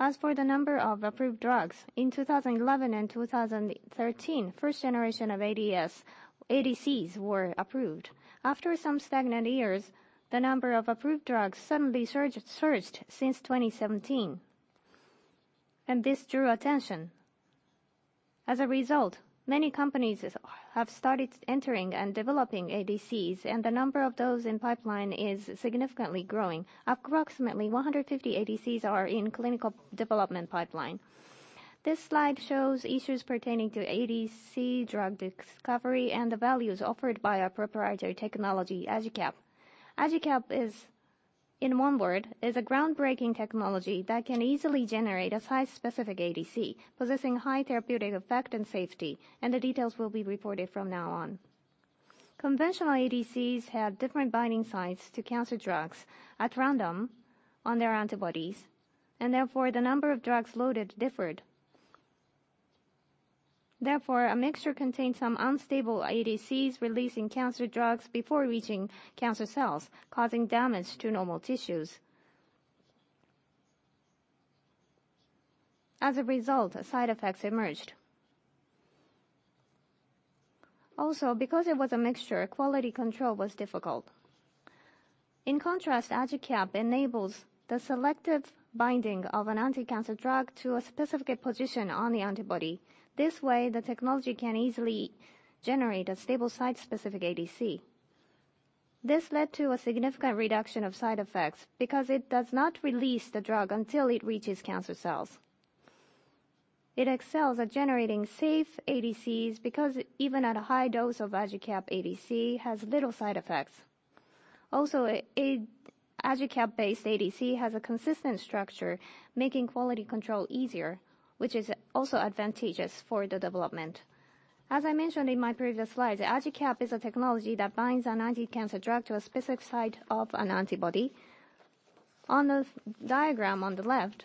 As for the number of approved drugs, in 2011 and 2013, first generation of ADCs were approved. After some stagnant years, the number of approved drugs suddenly surged since 2017. This drew attention. As a result, many companies have started entering and developing ADCs, the number of those in pipeline is significantly growing. Approximately 150 ADCs are in clinical development pipeline. This slide shows issues pertaining to ADC drug discovery and the values offered by our proprietary technology, AJICAP. AJICAP, in one word, is a groundbreaking technology that can easily generate a site-specific ADC possessing high therapeutic effect and safety, the details will be reported from now on. Conventional ADCs have different binding sites to cancer drugs at random on their antibodies, therefore, the number of drugs loaded differed. Therefore, a mixture contained some unstable ADCs releasing cancer drugs before reaching cancer cells, causing damage to normal tissues. As a result, side effects emerged. Also, because it was a mixture, quality control was difficult. In contrast, AJICAP enables the selective binding of an anti-cancer drug to a specific position on the antibody. This way, the technology can easily generate a stable site-specific ADC. This led to a significant reduction of side effects because it does not release the drug until it reaches cancer cells. It excels at generating safe ADCs because even at a high dose of AJICAP ADC, has little side effects. Also, AJICAP-based ADC has a consistent structure, making quality control easier, which is also advantageous for the development. As I mentioned in my previous slide, AJICAP is a technology that binds an anti-cancer drug to a specific site of an antibody. On the diagram on the left,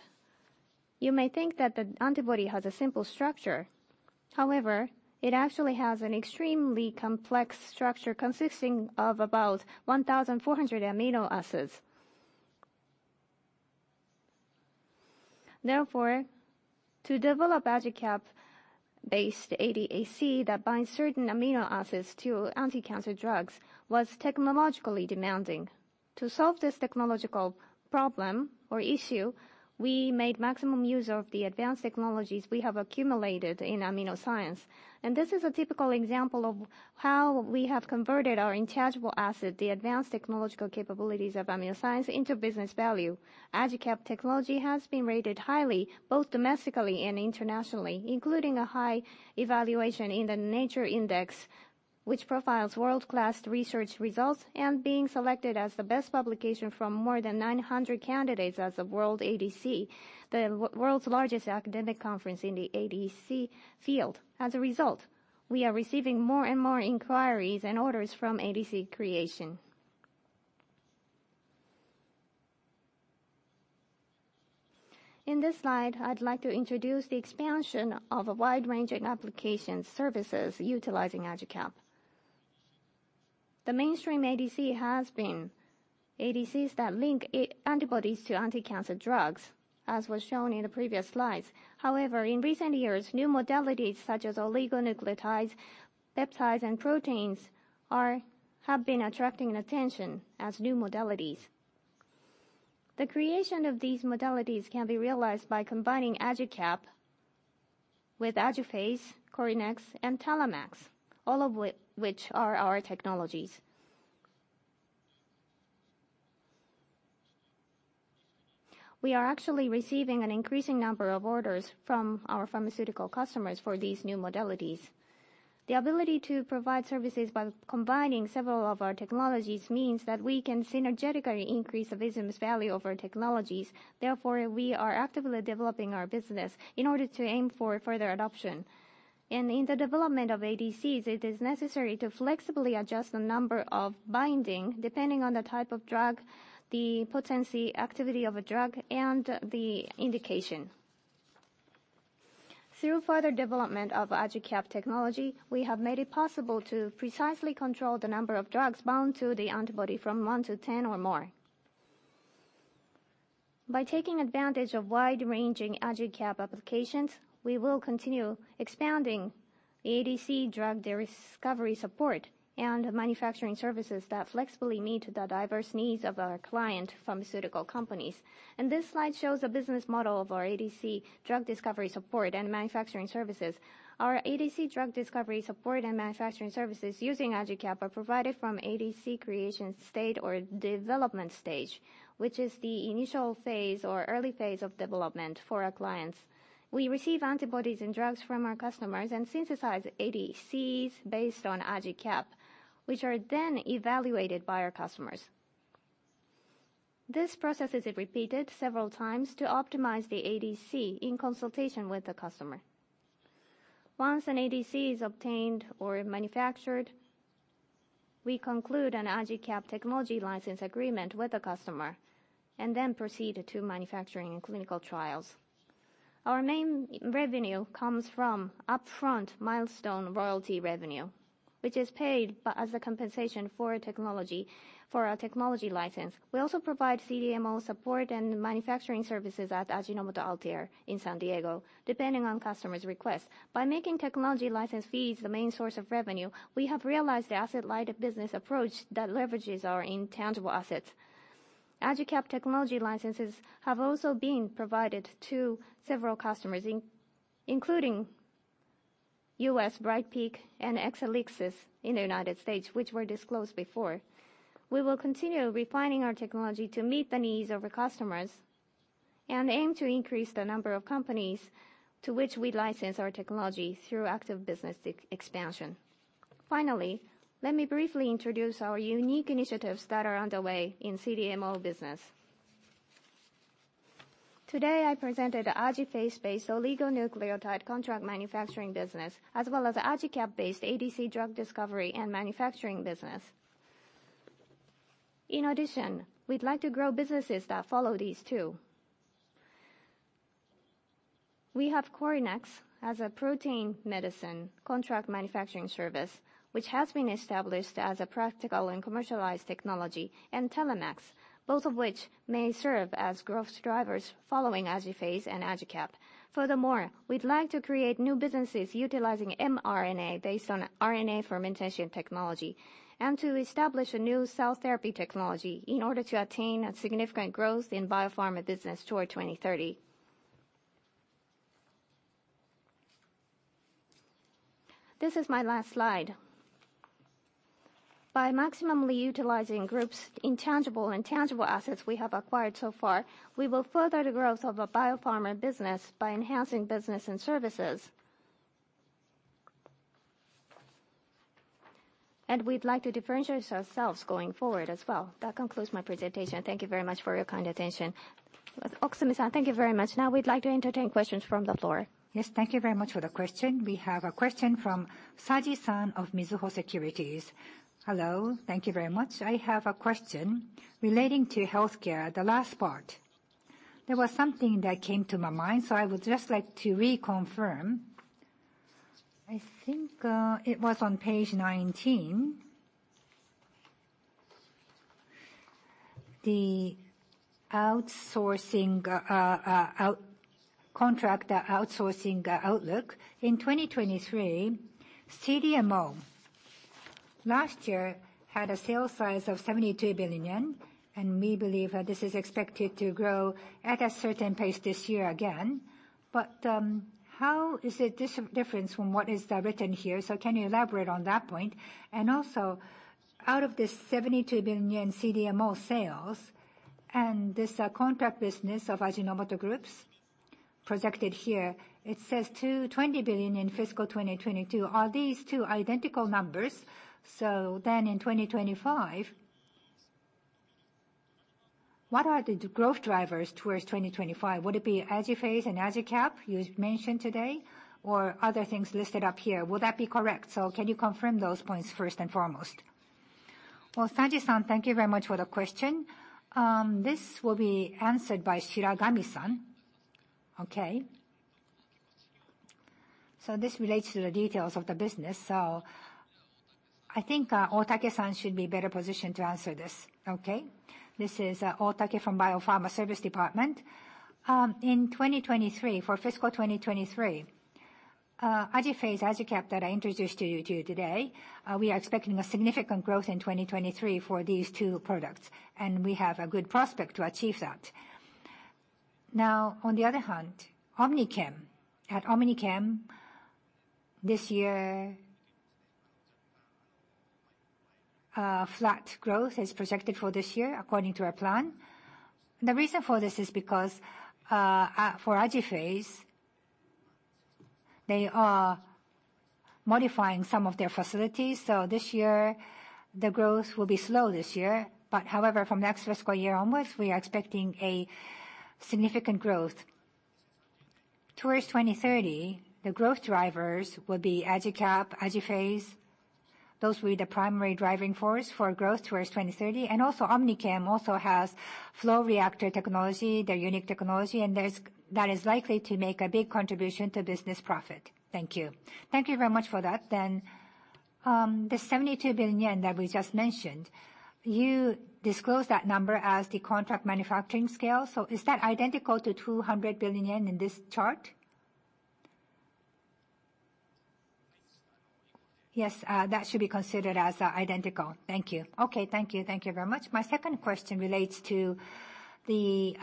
you may think that the antibody has a simple structure. However, it actually has an extremely complex structure consisting of about 1,400 amino acids. Therefore, to develop AJICAP-based ADC that binds certain amino acids to anti-cancer drugs was technologically demanding. To solve this technological problem or issue, we made maximum use of the advanced technologies we have accumulated in AminoScience. This is a typical example of how we have converted our intangible asset, the advanced technological capabilities of AminoScience, into business value. AJICAP technology has been rated highly both domestically and internationally, including a high evaluation in the Nature Index, which profiles world-class research results, and being selected as the best publication from more than 900 candidates at the World ADC, the world's largest academic conference in the ADC field. As a result, we are receiving more and more inquiries and orders from ADC creation. In this slide, I'd like to introduce the expansion of a wide range of application services utilizing AJICAP. The mainstream ADC has been ADCs that link antibodies to anti-cancer drugs, as was shown in the previous slides. However, in recent years, new modalities such as oligonucleotides, peptides, and proteins have been attracting attention as new modalities. The creation of these modalities can be realized by combining AJICAP with AJIPHASE, CORYNEX, and TALAMAX, all of which are our technologies. We are actually receiving an increasing number of orders from our pharmaceutical customers for these new modalities. The ability to provide services by combining several of our technologies means that we can synergetically increase the business value of our technologies. Therefore, we are actively developing our business in order to aim for further adoption. In the development of ADCs, it is necessary to flexibly adjust the number of binding depending on the type of drug, the potency activity of a drug, and the indication. Through further development of AJICAP technology, we have made it possible to precisely control the number of drugs bound to the antibody from one to 10 or more. By taking advantage of wide-ranging AJICAP applications, we will continue expanding ADC drug discovery support and manufacturing services that flexibly meet the diverse needs of our client pharmaceutical companies. This slide shows a business model of our ADC drug discovery support and manufacturing services. Our ADC drug discovery support and manufacturing services using AJICAP are provided from ADC creation stage or development stage, which is the initial phase or early phase of development for our clients. We receive antibodies and drugs from our customers and synthesize ADCs based on AJICAP, which are then evaluated by our customers. This process is repeated several times to optimize the ADC in consultation with the customer. Once an ADC is obtained or manufactured, we conclude an AJICAP technology license agreement with the customer, then proceed to manufacturing and clinical trials. Our main revenue comes from upfront milestone royalty revenue, which is paid as a compensation for our technology license. We also provide CDMO support and manufacturing services at Ajinomoto Althea in San Diego, depending on customers' requests. By making technology license fees the main source of revenue, we have realized the asset-light business approach that leverages our intangible assets. AJICAP technology licenses have also been provided to several customers, including U.S. Bright Peak and Exelixis in the U.S., which were disclosed before. We will continue refining our technology to meet the needs of our customers and aim to increase the number of companies to which we license our technology through active business expansion. Finally, let me briefly introduce our unique initiatives that are underway in CDMO business. Today, I presented AJIPHASE-based oligonucleotide contract manufacturing business, as well as AJICAP-based ADC drug discovery and manufacturing business. In addition, we'd like to grow businesses that follow these two. We have CORYNEX as a protein medicine contract manufacturing service, which has been established as a practical and commercialized technology, and TALAMAX, both of which may serve as growth drivers following AJIPHASE and AJICAP. Furthermore, we'd like to create new businesses utilizing mRNA based on RNA fermentation technology, and to establish a new cell therapy technology in order to attain a significant growth in biopharma business toward 2030. This is my last slide. By maximally utilizing Group's intangible and tangible assets we have acquired so far, we will further the growth of a biopharma business by enhancing business and services. We'd like to differentiate ourselves going forward as well. That concludes my presentation. Thank you very much for your kind attention. Oshimura-san, thank you very much. We'd like to entertain questions from the floor. Thank you very much for the question. We have a question from Saji-san of Mizuho Securities Co., Ltd. Hello. Thank you very much. I have a question relating to healthcare, the last part. There was something that came to my mind, so I would just like to reconfirm. It was on page 19. The contract outsourcing outlook in 2023. CDMO, last year had a sale size of 72 billion yen, and we believe that this is expected to grow at a certain pace this year again. How is it different from what is written here? Can you elaborate on that point? Also, out of this 72 billion yen CDMO sales and this contract business of Ajinomoto Group's projected here, it says 20 billion in fiscal 2022. Are these two identical numbers? In 2025, what are the growth drivers towards 2025? Would it be AJIPHASE and AJICAP you mentioned today, or other things listed up here? Would that be correct? Can you confirm those points first and foremost? Saji-san, thank you very much for the question. This will be answered by Shiragami-san. This relates to the details of the business, Otake-san should be better positioned to answer this. This is Otake from Biopharma Services Department. In 2023, for fiscal 2023, AJIPHASE, AJICAP that I introduced to you today, we are expecting a significant growth in 2023 for these two products, and we have a good prospect to achieve that. On the other hand, OmniChem. At OmniChem this year, flat growth is projected for this year according to our plan. The reason for this is because, for AJIPHASE, they are modifying some of their facilities, this year the growth will be slow this year. However, from next fiscal year onwards, we are expecting a significant growth. Towards 2030, the growth drivers will be AJICAP, AJIPHASE. Those will be the primary driving force for growth towards 2030. Also OmniChem also has flow reactor technology, their unique technology, and that is likely to make a big contribution to business profit. Thank you. Thank you very much for that. The 72 billion yen that we just mentioned, you disclosed that number as the contract manufacturing scale. Is that identical to 200 billion yen in this chart? That should be considered as identical. Thank you. Thank you. Thank you very much. My second question relates to the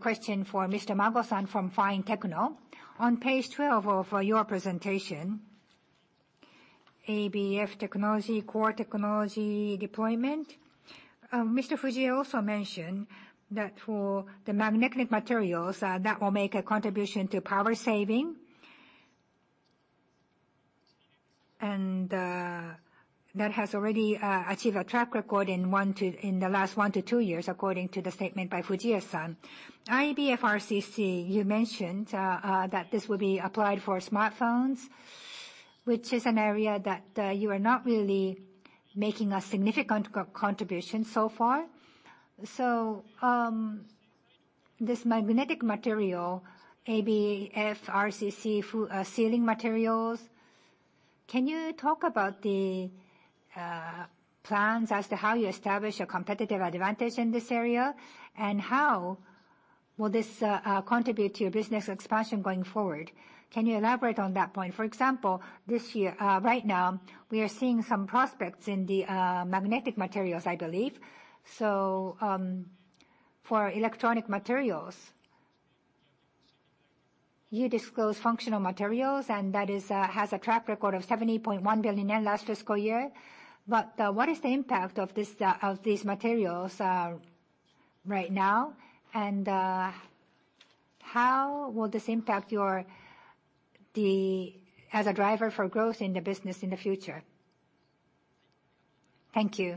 question for Mr. Mago from Fine-Techno. On page 12 of your presentation, ABF technology, core technology deployment. Mr. Fujie also mentioned that for the magnetic materials, that will make a contribution to power saving. That has already achieved a track record in the last one to two years, according to the statement by Fujie-san. ABF-RCC, you mentioned that this will be applied for smartphones, which is an area that you are not really making a significant contribution so far. This magnetic material, ABF-RCC sealing materials. Can you talk about the plans as to how you establish a competitive advantage in this area, and how will this contribute to your business expansion going forward? Can you elaborate on that point? For example, this year, right now we are seeing some prospects in the magnetic materials, I believe. For electronic materials, you disclose Functional Materials, and that has a track record of 70.1 billion last fiscal year. What is the impact of these materials right now? How will this impact as a driver for growth in the business in the future? Thank you.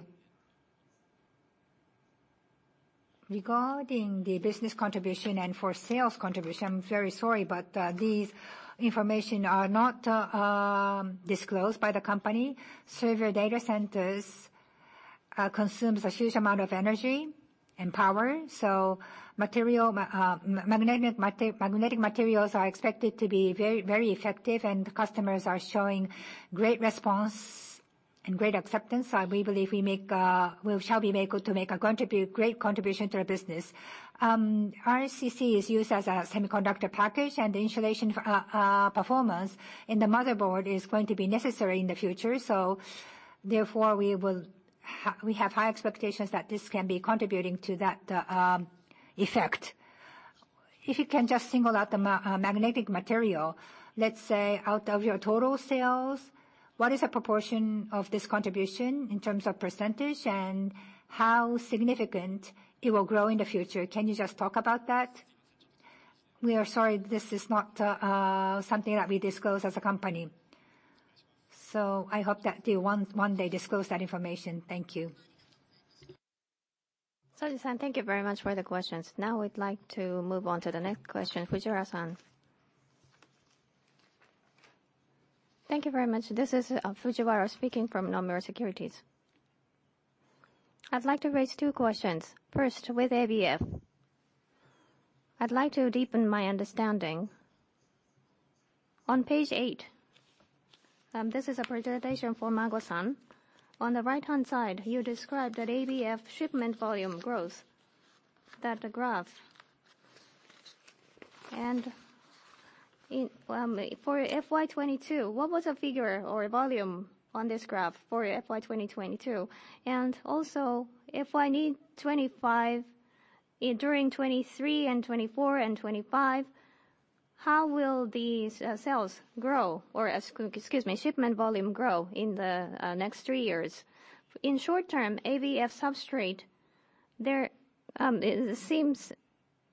Regarding the business contribution and for sales contribution, I'm very sorry, but these information are not disclosed by the company. Server data centers consumes a huge amount of energy and power, magnetic materials are expected to be very effective, and customers are showing great response and great acceptance. We believe we shall be able to make a great contribution to our business. RCC is used as a semiconductor package and the insulation performance in the motherboard is going to be necessary in the future. Therefore, we have high expectations that this can be contributing to that effect. If you can just single out the magnetic material, let's say out of your total sales, what is the proportion of this contribution in terms of %, and how significant it will grow in the future? Can you just talk about that? We are sorry, this is not something that we disclose as a company. I hope that you one day disclose that information. Thank you. Sorry, San. Thank you very much for the questions. We'd like to move on to the next question. Fujiwara San. Thank you very much. This is Fujiwara speaking from Nomura Securities. I'd like to raise two questions. First, with ABF, I'd like to deepen my understanding. On page eight, this is a presentation from Mago San. On the right-hand side, you described that ABF shipment volume growth, that graph. For FY 2022, what was the figure or volume on this graph for FY 2022? Also, FY 2025, during 2023 and 2024 and 2025, how will these sales grow? Or excuse me, shipment volume grow in the next three years. In short term, ABF substrate,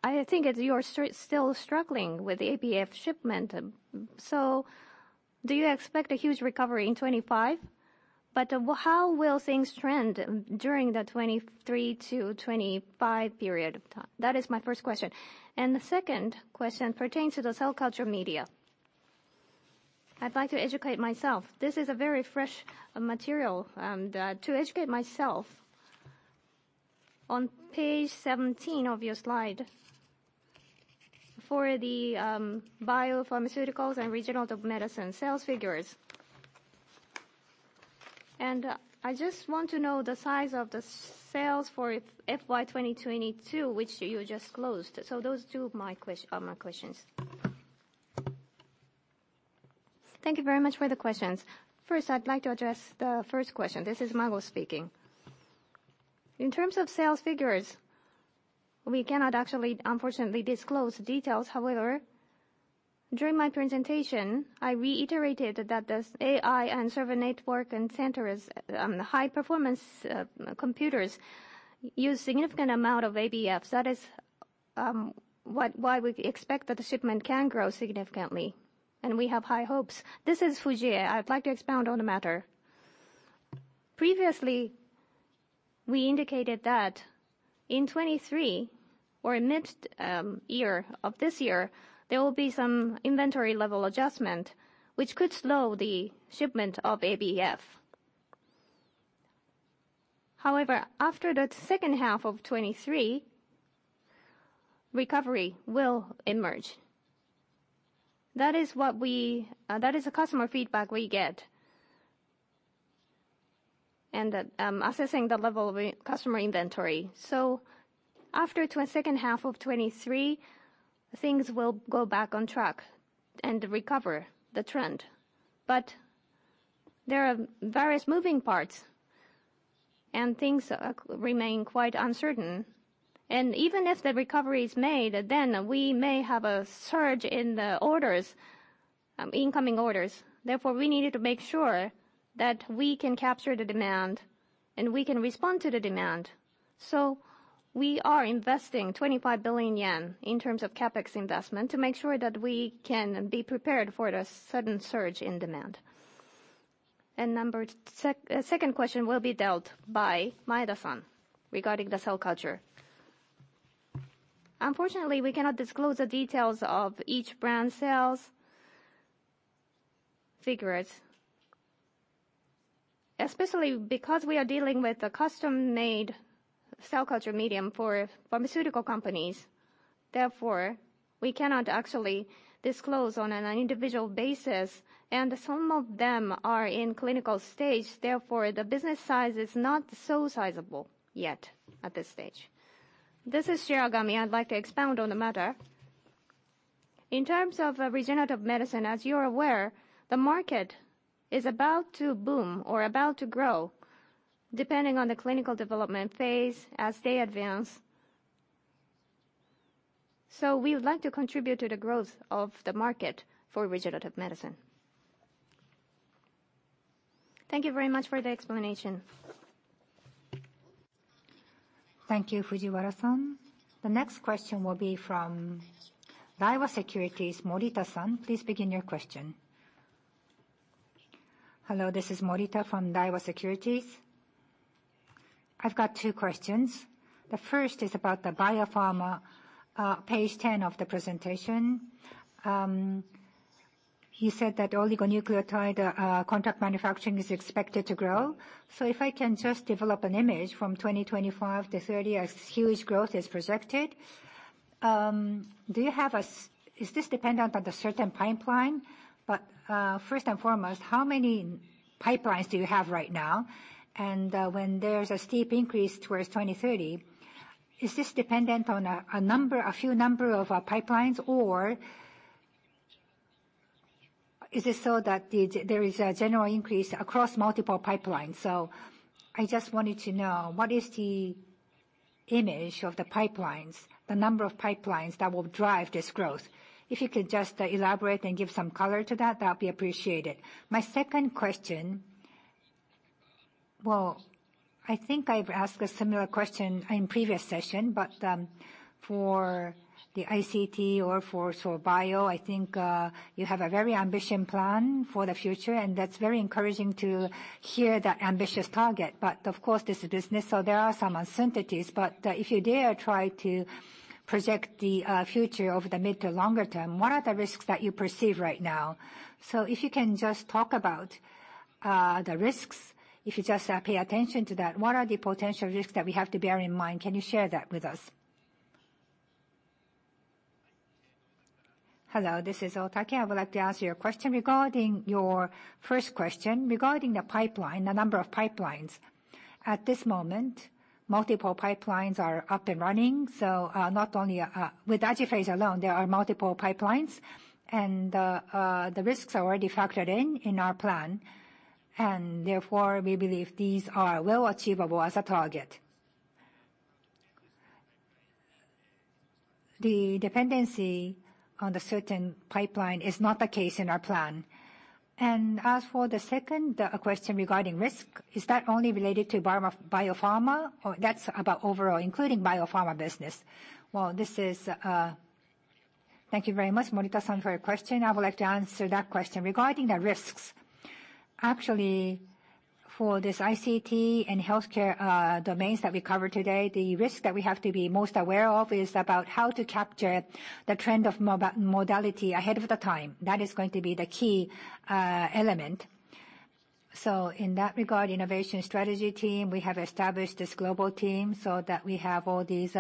I think you are still struggling with ABF shipment. Do you expect a huge recovery in 2025? How will things trend during the 2023 to 2025 period of time? That is my first question. The second question pertains to the cell culture media. I'd like to educate myself. This is a very fresh material. To educate myself, on page 17 of your slide, for the biopharmaceuticals and regional medicine sales figures. I just want to know the size of the sales for FY 2022, which you just closed. Those two are my questions. Thank you very much for the questions. First, I'd like to address the first question. This is Mago speaking. In terms of sales figures, we cannot actually, unfortunately, disclose details. However, during my presentation, I reiterated that this AI and server network and centers, high performance computers use significant amount of ABF. That is why we expect that the shipment can grow significantly, and we have high hopes. This is Fujie. I'd like to expound on the matter. Previously, we indicated that in 2023 or mid year of this year, there will be some inventory level adjustment which could slow the shipment of ABF. However, after the second half of 2023, recovery will emerge. That is the customer feedback we get. Assessing the level of customer inventory. After second half of 2023, things will go back on track and recover the trend. There are various moving parts and things remain quite uncertain. Even if the recovery is made, then we may have a surge in the incoming orders. Therefore, we needed to make sure that we can capture the demand and we can respond to the demand. We are investing 25 billion yen in terms of CapEx investment to make sure that we can be prepared for the sudden surge in demand. Second question will be dealt by Maeda-san regarding the cell culture. Unfortunately, we cannot disclose the details of each brand sales figures, especially because we are dealing with a custom-made cell culture medium for pharmaceutical companies. Therefore, we cannot actually disclose on an individual basis, and some of them are in clinical stage. Therefore, the business size is not so sizable yet at this stage. This is Shiragami. I would like to expound on the matter. In terms of regenerative medicine, as you are aware, the market is about to boom or about to grow depending on the clinical development phase as they advance. We would like to contribute to the growth of the market for regenerative medicine. Thank you very much for the explanation. Thank you, Fujiwara-san. The next question will be from Daiwa Securities, Morita-san, please begin your question. Hello, this is Morita from Daiwa Securities. I've got two questions. The first is about the biopharma, page 10 of the presentation. You said that oligonucleotide contract manufacturing is expected to grow. If I can just develop an image from 2025 to 2030 as huge growth is projected, is this dependent on a certain pipeline? First and foremost, how many pipelines do you have right now? When there's a steep increase towards 2030, is this dependent on a few number of pipelines, or is it so that there is a general increase across multiple pipelines? I just wanted to know what is the image of the pipelines, the number of pipelines that will drive this growth. If you could just elaborate and give some color to that'll be appreciated. My second question, I think I've asked a similar question in previous session, for the ICT or for bio, I think you have a very ambitious plan for the future, and that's very encouraging to hear the ambitious target. Of course, this is business, so there are some uncertainties. If you dare try to project the future over the mid to longer term, what are the risks that you perceive right now? If you can just talk about the risks, if you just pay attention to that, what are the potential risks that we have to bear in mind? Can you share that with us? Hello, this is Otake. I would like to answer your question. Regarding your first question, regarding the pipeline, the number of pipelines. At this moment, multiple pipelines are up and running. With AJIPHASE alone, there are multiple pipelines, and the risks are already factored in our plan. Therefore, we believe these are well achievable as a target. The dependency on the certain pipeline is not the case in our plan. As for the second question regarding risk, is that only related to biopharma, or that's about overall, including biopharma business? Thank you very much, Morita-san, for your question. I would like to answer that question. Regarding the risks, for this ICT and healthcare domains that we covered today, the risk that we have to be most aware of is about how to capture the trend of modality ahead of the time. That is going to be the key element. In that regard, innovation strategy team, we have established this global team so that we have all these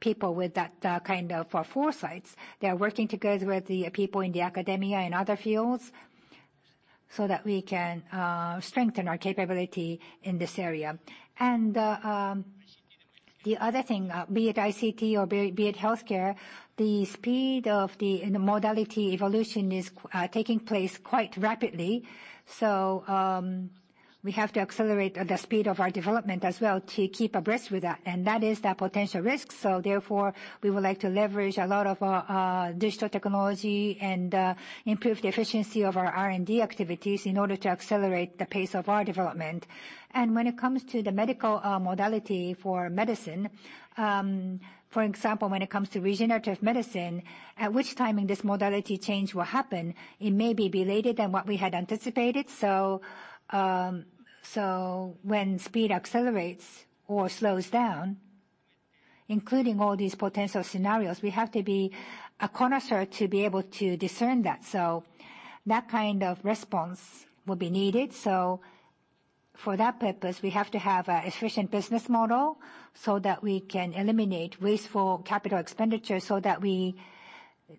people with that kind of foresights. They are working together with the people in the academia and other fields so that we can strengthen our capability in this area. The other thing, be it ICT or be it healthcare, the speed of the modality evolution is taking place quite rapidly. We have to accelerate the speed of our development as well to keep abreast with that, and that is the potential risk. Therefore, we would like to leverage a lot of digital technology and improve the efficiency of our R&D activities in order to accelerate the pace of our development. When it comes to the medical modality for medicine, for example, when it comes to regenerative medicine, at which time in this modality change will happen, it may be belated than what we had anticipated. When speed accelerates or slows down, including all these potential scenarios, we have to be a connoisseur to be able to discern that. That kind of response will be needed. For that purpose, we have to have an efficient business model so that we can eliminate wasteful capital expenditure so that we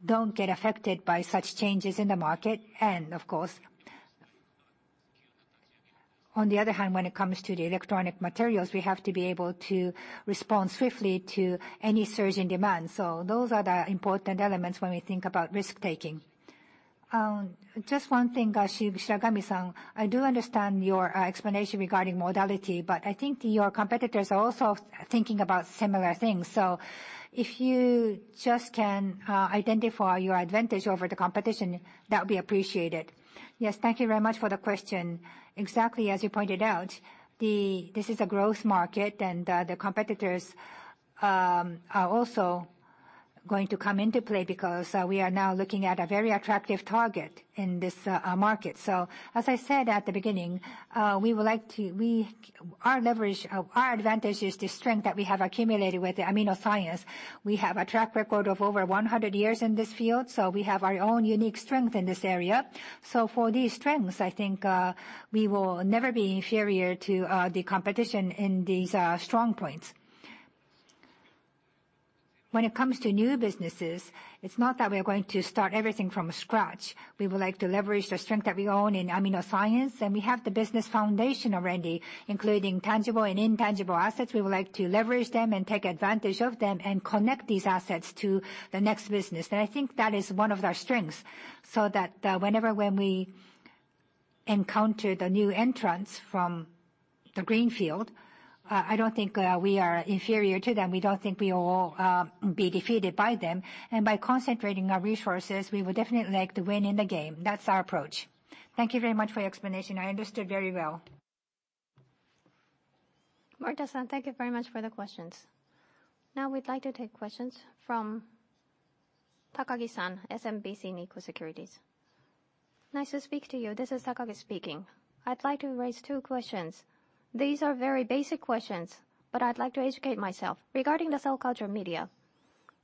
don't get affected by such changes in the market. Of course, on the other hand, when it comes to the electronic materials, we have to be able to respond swiftly to any surge in demand. Those are the important elements when we think about risk-taking. Just one thing, Shirakami-san. I do understand your explanation regarding modality, but I think your competitors are also thinking about similar things. If you just can identify your advantage over the competition, that would be appreciated. Yes. Thank you very much for the question. Exactly as you pointed out, this is a growth market and the competitors are also going to come into play because we are now looking at a very attractive target in this market. As I said at the beginning, our advantage is the strength that we have accumulated with the AminoScience. We have a track record of over 100 years in this field. We have our own unique strength in this area. For these strengths, I think we will never be inferior to the competition in these strong points. When it comes to new businesses, it's not that we are going to start everything from scratch. We would like to leverage the strength that we own in AminoScience, and we have the business foundation already, including tangible and intangible assets. We would like to leverage them and take advantage of them and connect these assets to the next business. I think that is one of our strengths. encounter the new entrants from the green field, I don't think we are inferior to them. We don't think we will be defeated by them. By concentrating our resources, we would definitely like to win in the game. That's our approach. Thank you very much for your explanation. I understood very well. Morta-san, thank you very much for the questions. Now, we'd like to take questions from Takagi-san, SMBC Nikko Securities. Nice to speak to you. This is Takagi speaking. I'd like to raise two questions. These are very basic questions, but I'd like to educate myself. Regarding the cell culture media.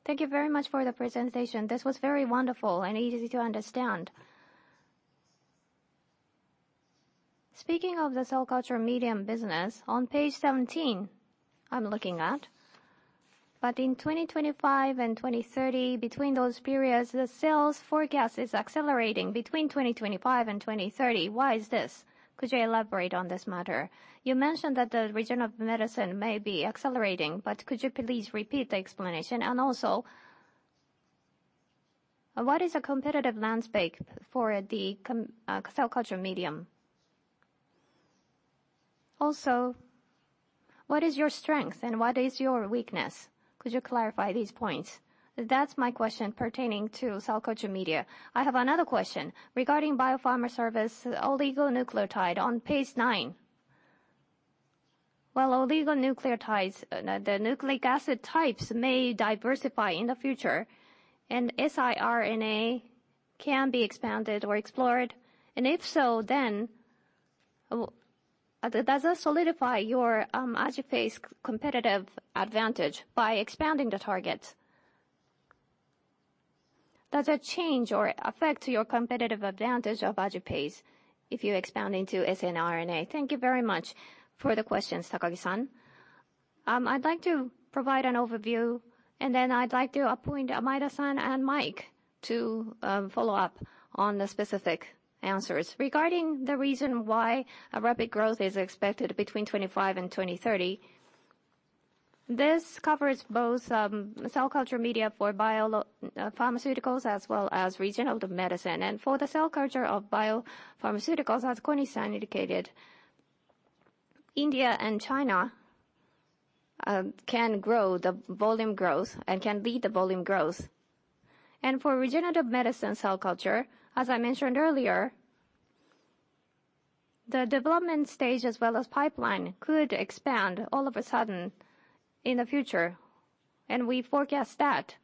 Thank you very much for the presentation. This was very wonderful and easy to understand. Speaking of the cell culture medium business, on page 17, I'm looking at. In 2025 and 2030, between those periods, the sales forecast is accelerating between 2025 and 2030. Why is this? Could you elaborate on this matter? You mentioned that the region of medicine may be accelerating, but could you please repeat the explanation? What is the competitive landscape for the cell culture medium? What is your strength and what is your weakness? Could you clarify these points? That's my question pertaining to cell culture media. I have another question. Regarding biopharma service, oligonucleotide on page nine. While oligonucleotides, the nucleic acid types may diversify in the future, siRNA can be expanded or explored. If so, then does that solidify your AJIPHASE competitive advantage by expanding the targets? Does that change or affect your competitive advantage of AJIPHASE if you expand into siRNA? Thank you very much for the questions, Takagi-san. I'd like to provide an overview, then I'd like to appoint Maeda-san and Mike to follow up on the specific answers. Regarding the reason why a rapid growth is expected between 2025 and 2030. This covers both cell culture media for biopharmaceuticals as well as regenerative medicine. For the cell culture of biopharmaceuticals, as Konis-san indicated, India and China can grow the volume growth and can lead the volume growth. For regenerative medicine cell culture, as I mentioned earlier, the development stage as well as pipeline could expand all of a sudden in the future. We forecast that,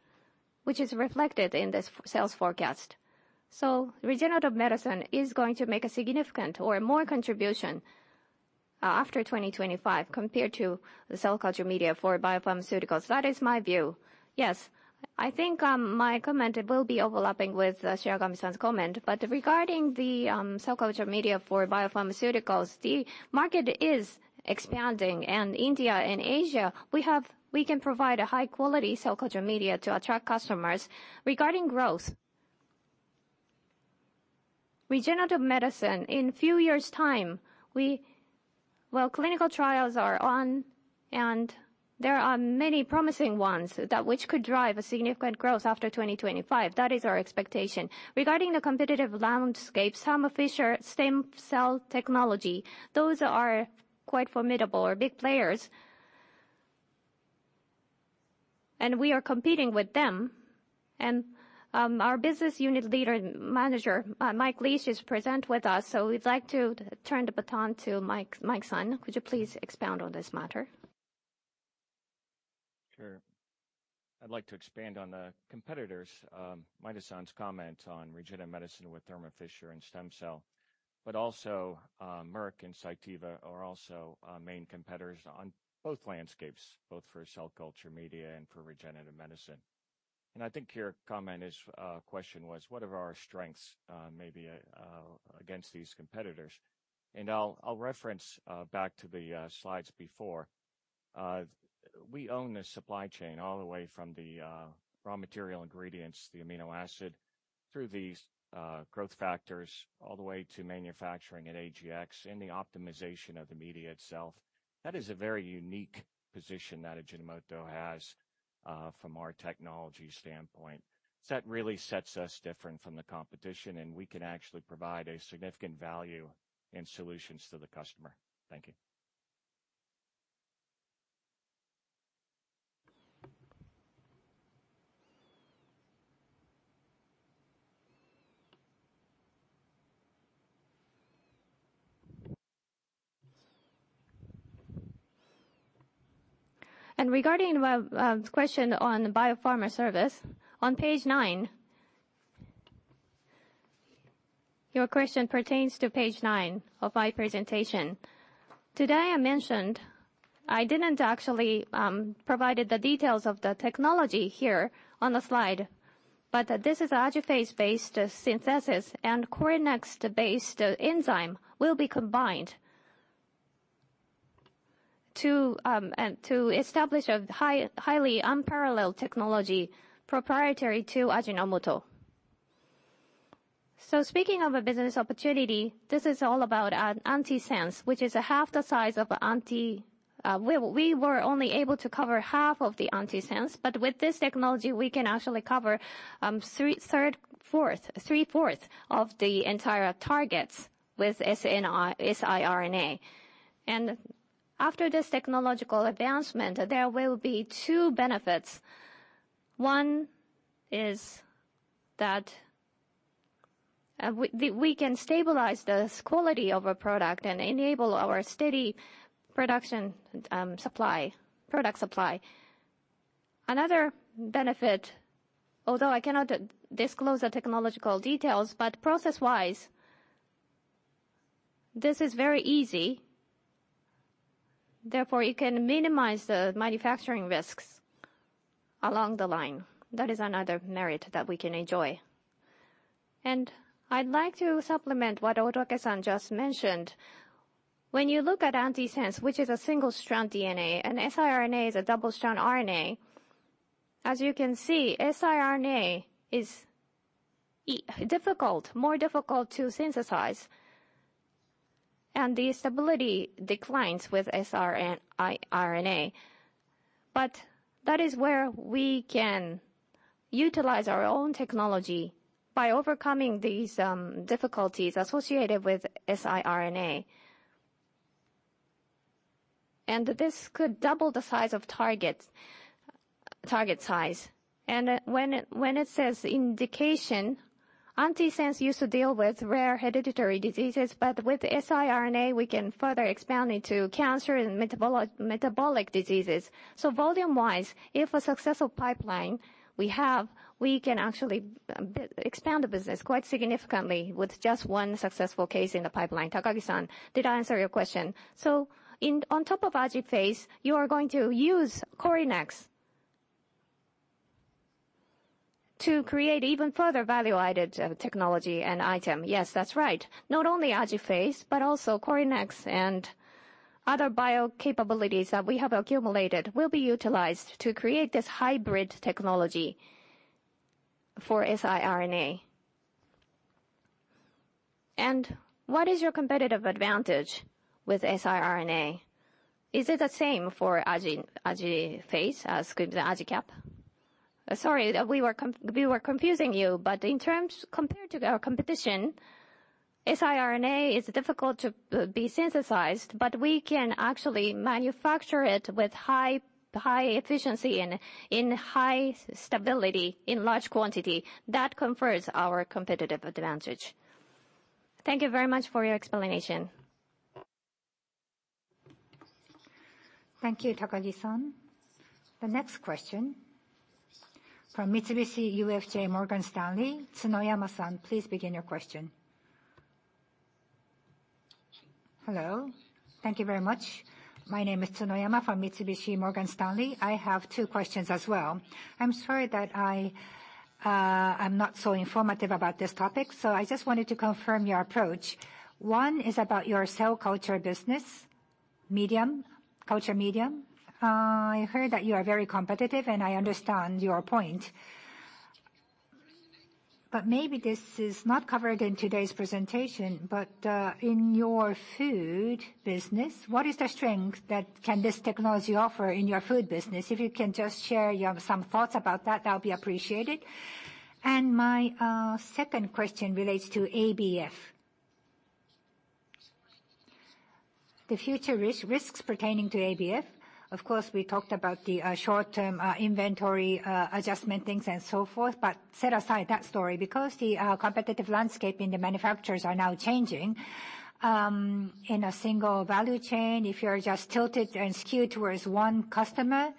which is reflected in this sales forecast. Regenerative medicine is going to make a significant or more contribution, after 2025 compared to the cell culture media for biopharmaceuticals. That is my view. Yes. I think my comment will be overlapping with Shiragami-san's comment. Regarding the cell culture media for biopharmaceuticals, the market is expanding. India and Asia, we can provide a high-quality cell culture media to attract customers. Regarding growth, regenerative medicine, in few years' time, well, clinical trials are on, and there are many promising ones that which could drive a significant growth after 2025. That is our expectation. Regarding the competitive landscape, Thermo Fisher Scientific, STEMCELL Technologies, those are quite formidable or big players. We are competing with them. Our business unit leader manager, Mike Leach, is present with us, so we'd like to turn the baton to Mike-san. Could you please expound on this matter? Sure. I'd like to expand on the competitors. Maeda-san's comment on regenerative medicine with Thermo Fisher and Stemcell, Merck and Cytiva are also main competitors on both landscapes, both for cell culture media and for regenerative medicine. I think your question was, what are our strengths maybe against these competitors? I'll reference back to the slides before. We own the supply chain all the way from the raw material ingredients, the amino acid, through these growth factors, all the way to manufacturing at AGX and the optimization of the media itself. That is a very unique position that Ajinomoto has from our technology standpoint. That really sets us different from the competition, and we can actually provide a significant value in solutions to the customer. Thank you. Regarding the question on biopharma service. On page nine. Your question pertains to page nine of my presentation. Today, I mentioned I didn't actually provide the details of the technology here on the slide, this is Agitase-based synthesis and CORYNEX-based enzyme will be combined to establish a highly unparalleled technology proprietary to Ajinomoto. Speaking of a business opportunity, this is all about antisense, which is half the size of We were only able to cover half of the antisense, with this technology, we can actually cover three-fourths of the entire targets with siRNA. After this technological advancement, there will be two benefits. One is that we can stabilize the quality of a product and enable our steady production supply. Another benefit, although I cannot disclose the technological details, process-wise, this is very easy. Therefore, it can minimize the manufacturing risks along the line. That is another merit that we can enjoy. I'd like to supplement what Otorakasan just mentioned. When you look at antisense, which is a single-strand DNA, and siRNA is a double-strand RNA, as you can see, siRNA is more difficult to synthesize. The stability declines with siRNA. That is where we can utilize our own technology by overcoming these difficulties associated with siRNA. This could double the size of target size. When it says indication, antisense used to deal with rare hereditary diseases, with siRNA, we can further expand into cancer and metabolic diseases. Volume wise, if a successful pipeline we have, we can actually expand the business quite significantly with just one successful case in the pipeline. Takagi-san, did I answer your question? On top of AJIPHASE, you are going to use CORYNEX to create even further value-added technology and item. Yes, that's right. Not only AJIPHASE, but also CORYNEX and other bio capabilities that we have accumulated will be utilized to create this hybrid technology for siRNA. What is your competitive advantage with siRNA? Is it the same for AJIPHASE as AJICAP? Sorry that we were confusing you, compared to our competition, siRNA is difficult to be synthesized, but we can actually manufacture it with high efficiency and in high stability in large quantity. That confers our competitive advantage. Thank you very much for your explanation. Thank you, Takagi-san. The next question from Mitsubishi UFJ Morgan Stanley. Tsunoyama-san, please begin your question. Hello. Thank you very much. My name is Tsunoyama from Mitsubishi UFJ Morgan Stanley. I have two questions as well. I'm sorry that I'm not so informative about this topic, so I just wanted to confirm your approach. One is about your cell culture business, culture medium. I heard that you are very competitive, and I understand your point. Maybe this is not covered in today's presentation, in your food business, what is the strength that can this technology offer in your food business? If you can just share some thoughts about that would be appreciated. My second question relates to ABF. The future risks pertaining to ABF. Of course, we talked about the short-term inventory adjustment things and so forth, set aside that story. The competitive landscape in the manufacturers are now changing, in a single value chain, if you're just tilted and skewed towards one customer,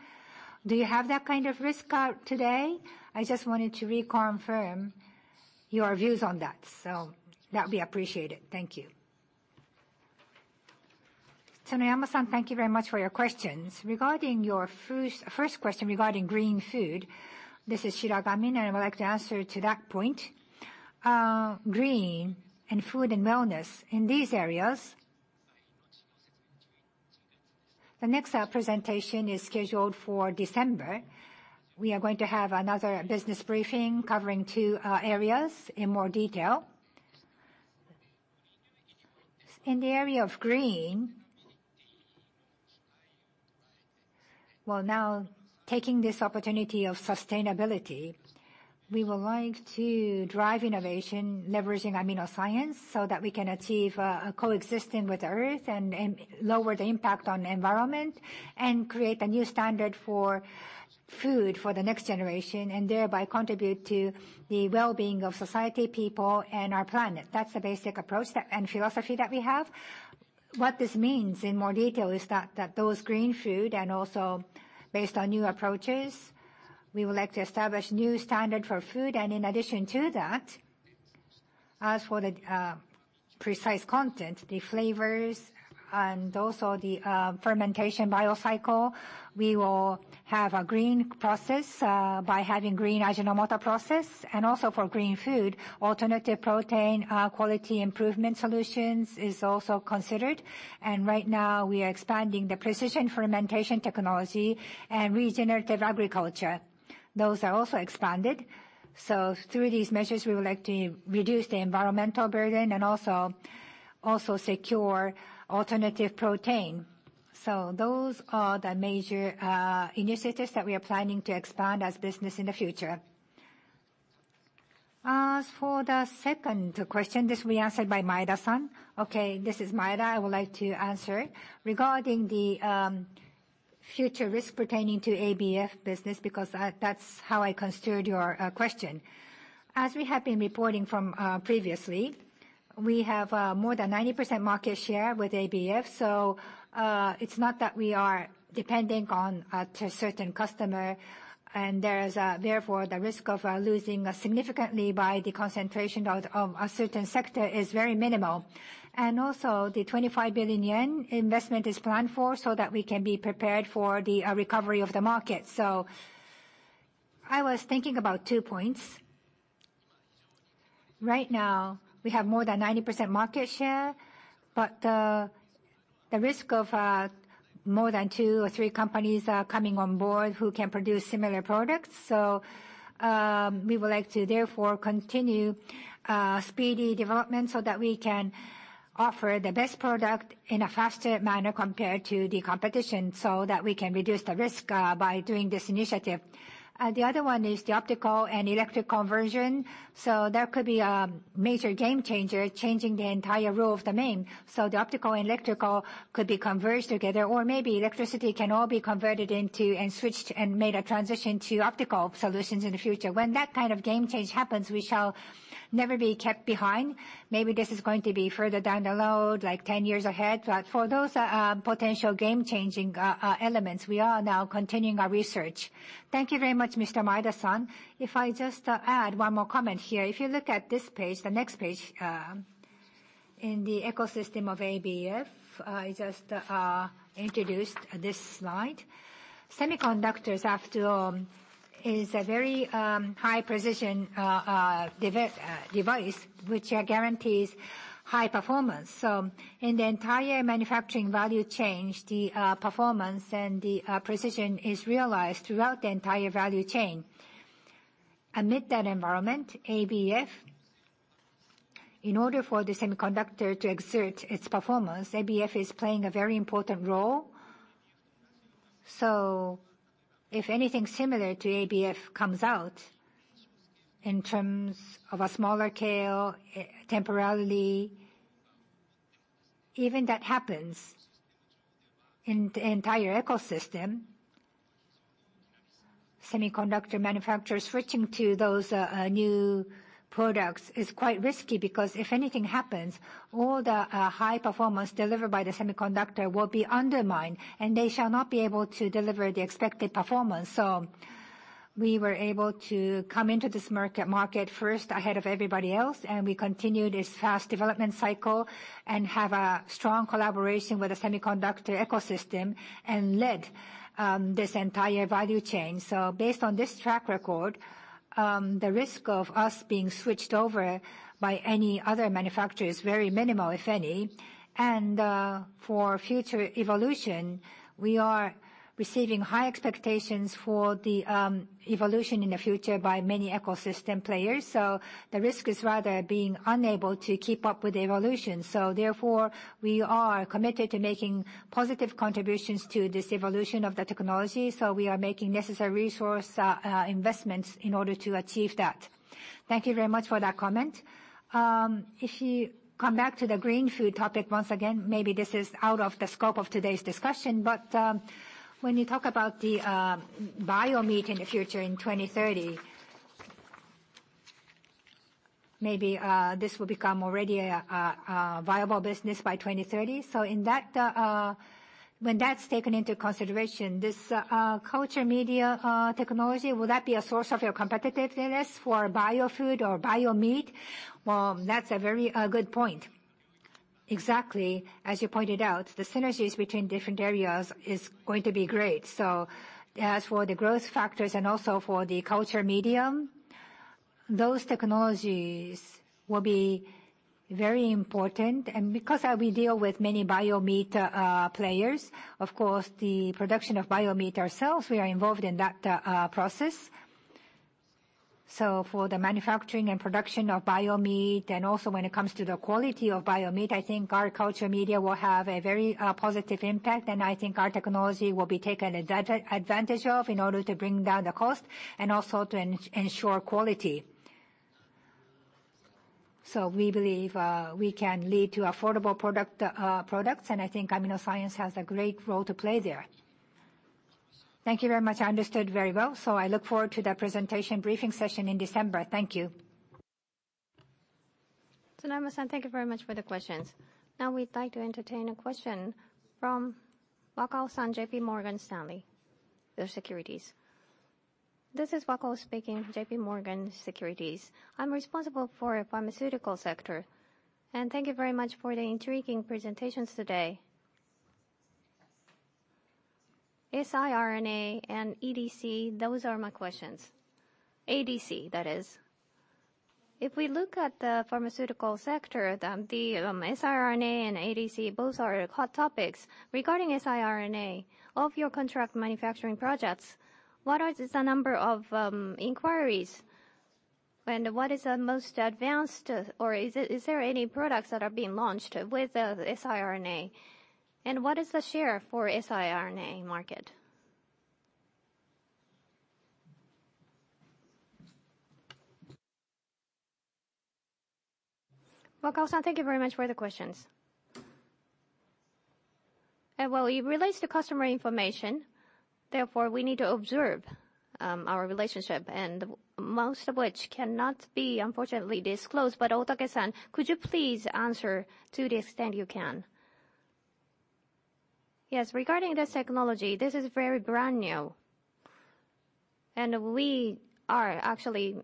do you have that kind of risk today? I just wanted to reconfirm your views on that. That would be appreciated. Thank you. Tsunoyama-san, thank you very much for your questions. Regarding your first question regarding green food, this is Shiragami, and I would like to answer to that point. Green and food and wellness in these areas. The next presentation is scheduled for December. We are going to have another business briefing covering two areas in more detail. In the area of green, taking this opportunity of sustainability, we would like to drive innovation leveraging AminoScience so that we can achieve coexisting with earth and lower the impact on the environment, and create a new standard for food for the next generation, and thereby contribute to the wellbeing of society, people, and our planet. That's the basic approach and philosophy that we have. What this means in more detail is that those green food, based on new approaches, we would like to establish new standard for food. In addition to that, as for the precise content, the flavors, the fermentation bio-cycle, we will have a green process by having green Ajinomoto process. For green food, alternative protein quality improvement solutions is also considered. Right now, we are expanding the precision fermentation technology and regenerative agriculture. Those are also expanded. Through these measures, we would like to reduce the environmental burden and also secure alternative protein. Those are the major initiatives that we are planning to expand as business in the future. As for the second question, this will be answered by Maeda-san. Okay, this is Maeda. I would like to answer. Regarding the future risk pertaining to ABF business, that's how I construed your question. As we have been reporting from previously, we have more than 90% market share with ABF. It's not that we are depending on to a certain customer, there is therefore the risk of losing significantly by the concentration of a certain sector is very minimal. The 25 billion yen investment is planned for, so that we can be prepared for the recovery of the market. I was thinking about two points. Right now, we have more than 90% market share, but the risk of two or three companies coming on board who can produce similar products. We would like to therefore continue speedy development so that we can offer the best product in a faster manner compared to the competition, so that we can reduce the risk by doing this initiative. The other one is the optical and electric conversion. That could be a major game changer, changing the entire rule of the game. The optical and electrical could be converged together, or maybe electricity can all be converted into, and switched, and made a transition to optical solutions in the future. When that kind of game change happens, we shall never be kept behind. Maybe this is going to be further down the road, like 10 years ahead, but for those potential game-changing elements, we are now continuing our research. Thank you very much, Mr. Maeda-san. If I just add one more comment here. If you look at this page, the next page, in the ecosystem of ABF, I just introduced this slide. Semiconductors after all is a very high-precision device, which guarantees high performance. In the entire manufacturing value change, the performance and the precision is realized throughout the entire value chain. Amid that environment, ABF, in order for the semiconductor to exert its performance, ABF is playing a very important role. If anything similar to ABF comes out in terms of a smaller scale, temporarily, even that happens in the entire ecosystem. Semiconductor manufacturers switching to those new products is quite risky, because if anything happens, all the high performance delivered by the semiconductor will be undermined, and they shall not be able to deliver the expected performance. We were able to come into this market first ahead of everybody else, and we continue this fast development cycle and have a strong collaboration with the semiconductor ecosystem and led this entire value chain. Based on this track record, the risk of us being switched over by any other manufacturer is very minimal, if any. For future evolution, we are receiving high expectations for the evolution in the future by many ecosystem players. The risk is rather being unable to keep up with the evolution. Therefore, we are committed to making positive contributions to this evolution of the technology. We are making necessary resource investments in order to achieve that. Thank you very much for that comment. If you come back to the green food topic once again, maybe this is out of the scope of today's discussion, but when you talk about the bio meat in the future in 2030, maybe this will become already a viable business by 2030. When that's taken into consideration, this culture media technology, will that be a source of your competitiveness for bio food or bio meat? Well, that's a very good point. Exactly. As you pointed out, the synergies between different areas is going to be great. As for the growth factors and also for the culture medium, those technologies will be very important. Because we deal with many bio meat players, of course, the production of bio meat ourselves, we are involved in that process. For the manufacturing and production of bio meat, and also when it comes to the quality of bio meat, I think our culture media will have a very positive impact, and I think our technology will be taken advantage of in order to bring down the cost, and also to ensure quality. We believe we can lead to affordable products, and I think AminoScience has a great role to play there. Thank you very much. I understood very well. I look forward to the presentation briefing session in December. Thank you. Tsunoyama-san, thank you very much for the questions. Now, we'd like to entertain a question from Wakao-san, JPMorgan Securities. This is Wakao speaking, JPMorgan Securities. I'm responsible for pharmaceutical sector. Thank you very much for the intriguing presentations today. siRNA and ADC, those are my questions. If we look at the pharmaceutical sector, the siRNA and ADC both are hot topics. Regarding siRNA, of your contract manufacturing projects, what is the number of inquiries, and what is the most advanced, or is there any products that are being launched with the siRNA? And what is the share for siRNA market? Wakao-san, thank you very much for the questions. It relates to customer information, therefore, we need to observe our relationship and most of which cannot be, unfortunately disclosed. But Ohtake-san, could you please answer to the extent you can? Yes. Regarding the technology, this is very brand new, and we are actually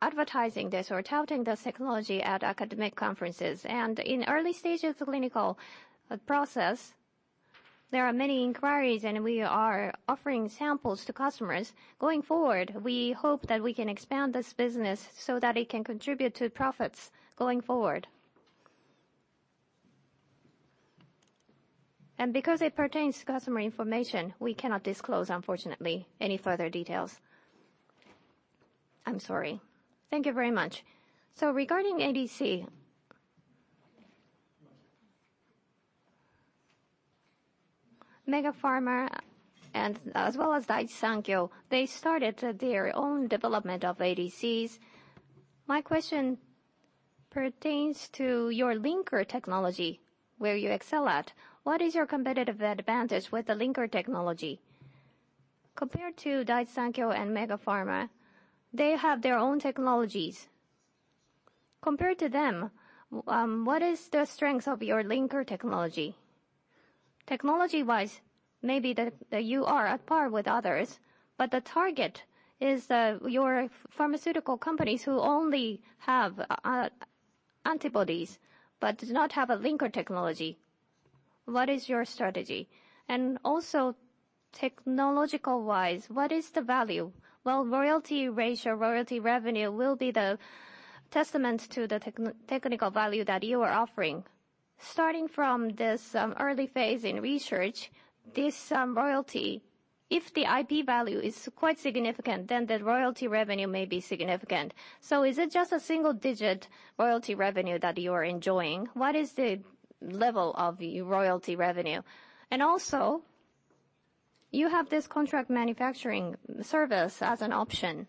advertising this or touting the technology at academic conferences. In early stages of clinical process, there are many inquiries, and we are offering samples to customers. Going forward, we hope that we can expand this business so that it can contribute to profits going forward. Because it pertains to customer information, we cannot disclose, unfortunately, any further details. I'm sorry. Thank you very much. Regarding ADC, Mega Pharma and as well as Daiichi Sankyo, they started their own development of ADCs. My question pertains to your linker technology, where you excel at. What is your competitive advantage with the linker technology? Compared to Daiichi Sankyo and Mega Pharma, they have their own technologies. Compared to them, what is the strength of your linker technology? Technology-wise, maybe that you are at par with others, but the target is your pharmaceutical companies who only have antibodies, but do not have a linker technology. What is your strategy? Technological-wise, what is the value? Royalty ratio, royalty revenue will be the testament to the technical value that you are offering. Starting from this early phase in research, this royalty, if the IP value is quite significant, then the royalty revenue may be significant. Is it just a single-digit royalty revenue that you are enjoying? What is the level of your royalty revenue? You have this contract manufacturing service as an option,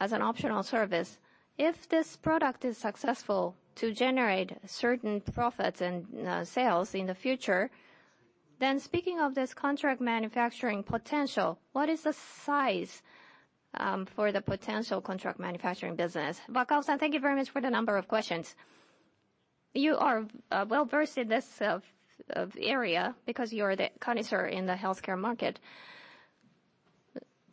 as an optional service. If this product is successful to generate certain profits and sales in the future, then speaking of this contract manufacturing potential, what is the size for the potential contract manufacturing business? Wakao-san, thank you very much for the number of questions. You are well-versed in this area because you're the connoisseur in the healthcare market.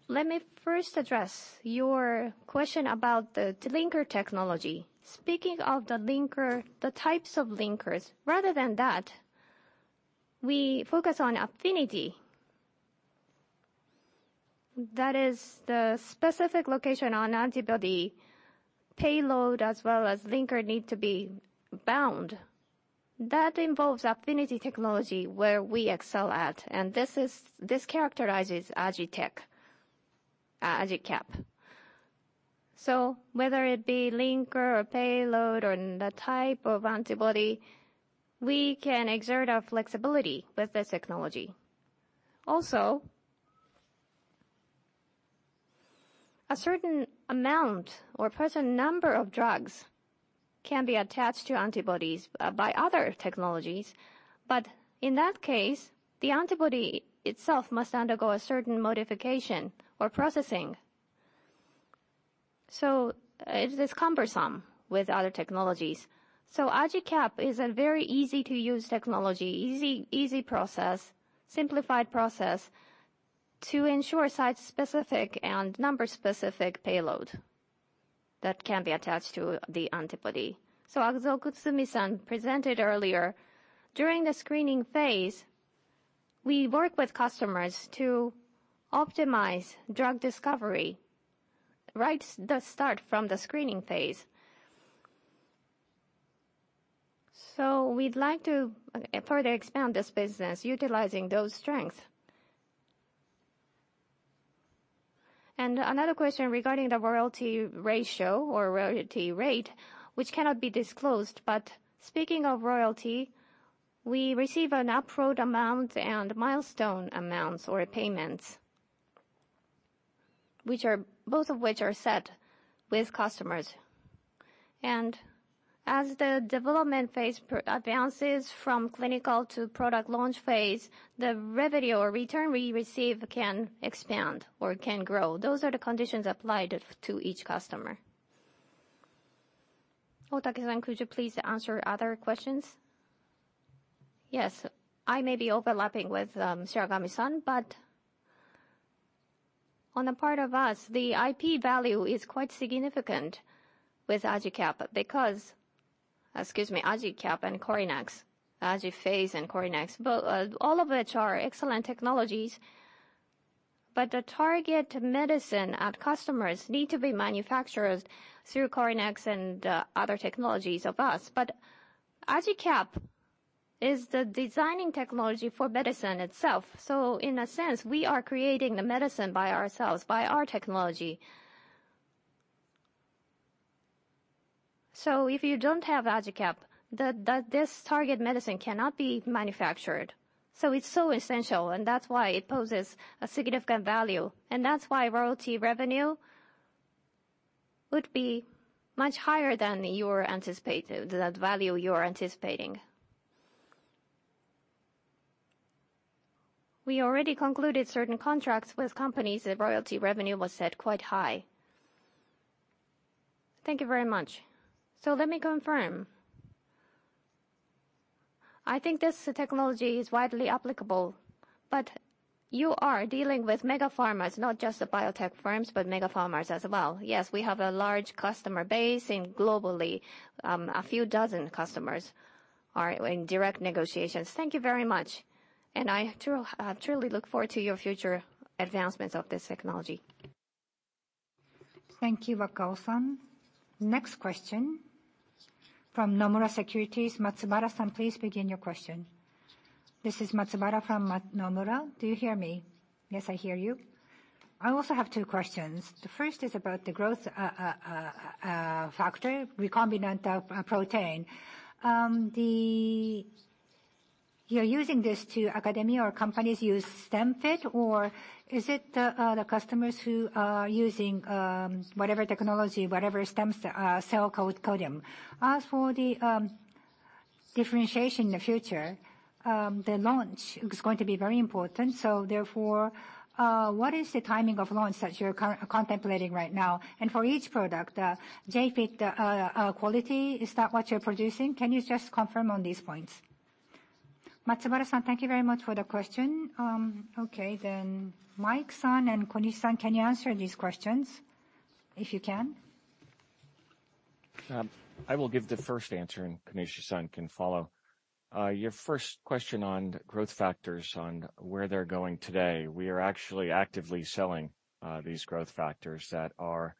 Let me first address your question about the linker technology. Speaking of the types of linkers, rather than that, we focus on affinity. That is the specific location on antibody payload, as well as linker need to be bound. That involves affinity technology, where we excel at, and this characterizes AJICAP. Whether it be linker or payload or the type of antibody, we can exert our flexibility with this technology. A certain amount or present number of drugs can be attached to antibodies by other technologies. In that case, the antibody itself must undergo a certain modification or processing. It is cumbersome with other technologies. AJICAP is a very easy-to-use technology, easy process, simplified process to ensure site-specific and number-specific payload that can be attached to the antibody. Aguso Kutsumi-san presented earlier. During the screening phase, we work with customers to optimize drug discovery, right at the start from the screening phase. We'd like to further expand this business utilizing those strengths. Another question regarding the royalty ratio or royalty rate, which cannot be disclosed. Speaking of royalty, we receive an upfront amount and milestone amounts or payments, both of which are set with customers. As the development phase advances from clinical to product launch phase, the revenue or return we receive can expand or can grow. Those are the conditions applied to each customer. Ohtake-san, could you please answer other questions? Yes. I may be overlapping with Shiragami-san, but on the part of us, the IP value is quite significant with AJICAP because. Excuse me, AJICAP and CORYNEX, AJIPHASE and CORYNEX, all of which are excellent technologies. The target medicine and customers need to be manufacturers through CORYNEX and other technologies of us. AJICAP is the designing technology for medicine itself. In a sense, we are creating the medicine by ourselves, by our technology. If you don't have AJICAP, this target medicine cannot be manufactured. It's so essential, and that's why it poses a significant value, and that's why royalty revenue would be much higher than the value you're anticipating. We already concluded certain contracts with companies. The royalty revenue was set quite high. Thank you very much. Let me confirm. I think this technology is widely applicable, but you are dealing with mega pharmas, not just the biotech firms, but mega pharmas as well. Yes, we have a large customer base, and globally, a few dozen customers are in direct negotiations. Thank you very much, and I truly look forward to your future advancements of this technology. Thank you, Wakao-san. Next question from Nomura Securities. Matsubara-san, please begin your question. This is Matsubara from Nomura. Do you hear me? Yes, I hear you. I also have two questions. The first is about the growth factor, recombinant protein. You're using this to academia or companies use StemFit, or is it the customers who are using whatever technology, whatever cell culture medium. As for the differentiation in the future, the launch is going to be very important. Therefore, what is the timing of launch that you're contemplating right now? For each product, StemFit quality, is that what you're producing? Can you just confirm on these points? Matsubara-san, thank you very much for the question. Mike-san and Konishi-san, can you answer these questions if you can? I will give the first answer, and Konishi-san can follow. Your first question on growth factors on where they are going today, we are actually actively selling these growth factors that are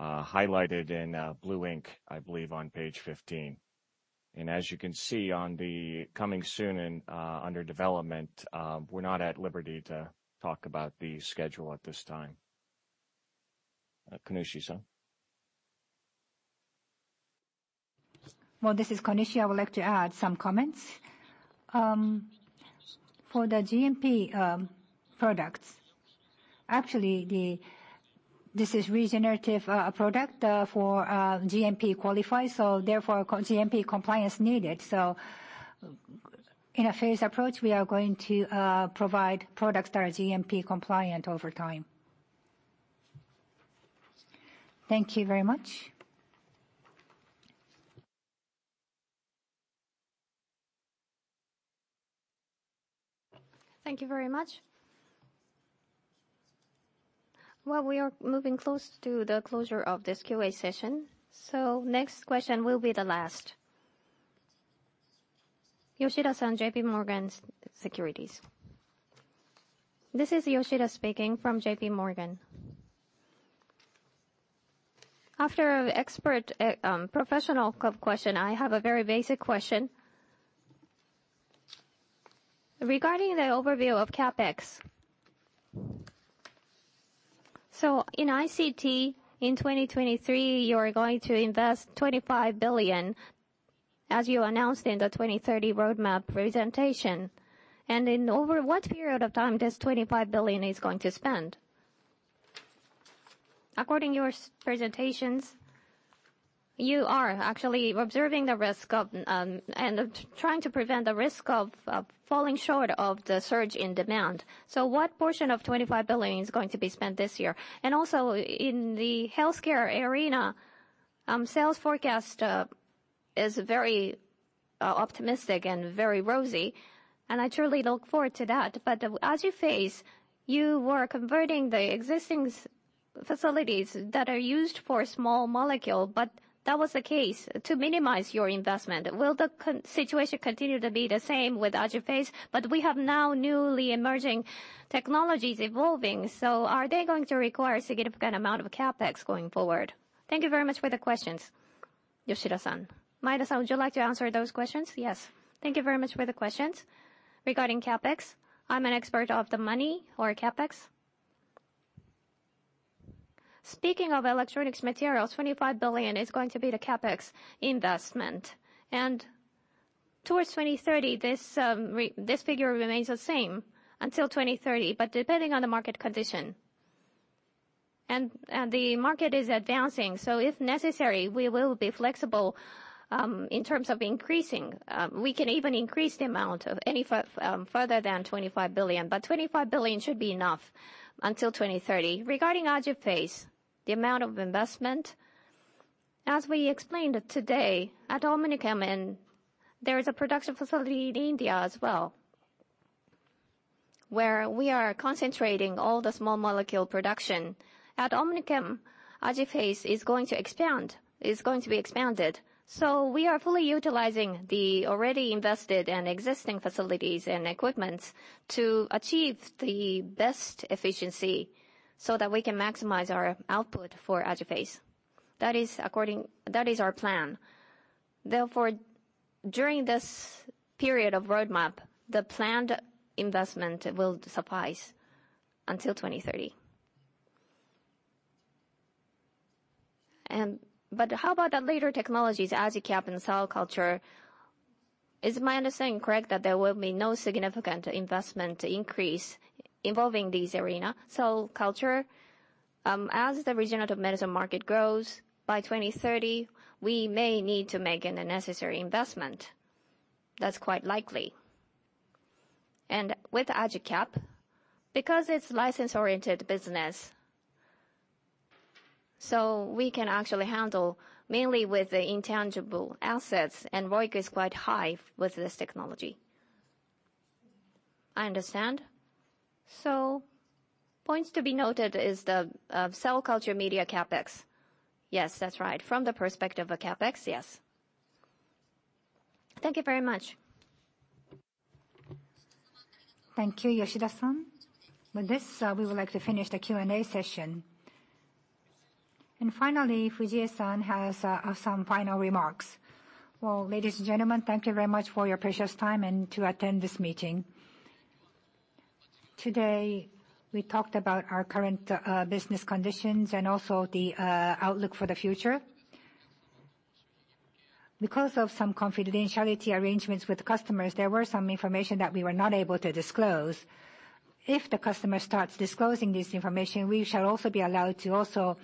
highlighted in blue ink, I believe, on page 15. As you can see on the coming soon and under development, we are not at liberty to talk about the schedule at this time. Konishi-san. Well, this is Konishi. I would like to add some comments. For the GMP products, actually, this is regenerative product for GMP qualify, so therefore GMP compliance needed. So in a phase approach, we are going to provide products that are GMP compliant over time. Thank you very much. Thank you very much. We are moving close to the closure of this QA session. So next question will be the last. Ami-san, J.P. Morgan Securities. This is Ami speaking from J.P. Morgan. After expert professional question, I have a very basic question. Regarding the overview of CapEx, in ICT in 2023, you are going to invest 25 billion, as you announced in the 2030 roadmap presentation. In over what period of time this 25 billion is going to spend? According your presentations, you are actually observing the risk and trying to prevent the risk of falling short of the surge in demand. So what portion of 25 billion is going to be spent this year? Also in the healthcare arena, sales forecast is very optimistic and very rosy, and I truly look forward to that. As you face, you were converting the existing facilities that are used for small molecule, but that was the case to minimize your investment. Will the situation continue to be the same with AjiPhase? We have now newly emerging technologies evolving, so are they going to require a significant amount of CapEx going forward? Thank you very much for the questions, Ami-san. Maeda-san, would you like to answer those questions? Yes. Thank you very much for the questions. Regarding CapEx, I am an expert of the money or CapEx. Speaking of electronics materials, 25 billion is going to be the CapEx investment. Towards 2030, this figure remains the same until 2030, but depending on the market condition. The market is advancing, so if necessary, we will be flexible in terms of increasing. We can even increase the amount of any further down 25 billion. 25 billion should be enough until 2030. Regarding AJIPHASE, the amount of investment, as we explained today, at Ajinomoto OmniChem, there is a production facility in India as well. We are concentrating all the small molecule production. At OmniChem, AJIPHASE is going to be expanded. We are fully utilizing the already invested and existing facilities and equipment to achieve the best efficiency so that we can maximize our output for AJIPHASE. That is our plan. Therefore, during this period of roadmap, the planned investment will suffice until 2030. How about the later technologies, AJICAP and cell culture? Is my understanding correct that there will be no significant investment increase involving this arena? Cell culture, as the regenerative medicine market grows, by 2030, we may need to make a necessary investment. That's quite likely. With AJICAP, because it's license-oriented business, we can actually handle mainly with the intangible assets, and ROIC is quite high with this technology. I understand. Points to be noted is the cell culture media CapEx. Yes, that's right. From the perspective of CapEx, yes. Thank you very much. Thank you, Ami-san. With this, we would like to finish the Q&A session. Finally, Fujii-san has some final remarks. Ladies and gentlemen, thank you very much for your precious time and to attend this meeting. Today, we talked about our current business conditions and also the outlook for the future. Because of some confidentiality arrangements with customers, there were some information that we were not able to disclose. If the customer starts disclosing this information, we shall also be allowed to also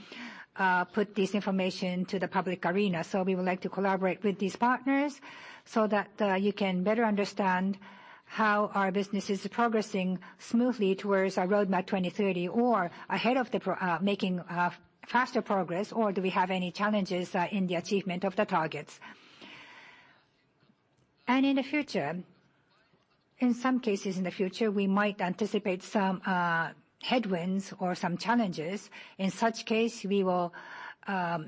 put this information to the public arena. We would like to collaborate with these partners so that you can better understand how our business is progressing smoothly towards our Roadmap 2030, or ahead of making faster progress, or do we have any challenges in the achievement of the targets. In some cases in the future, we might anticipate some headwinds or some challenges. In such case, we will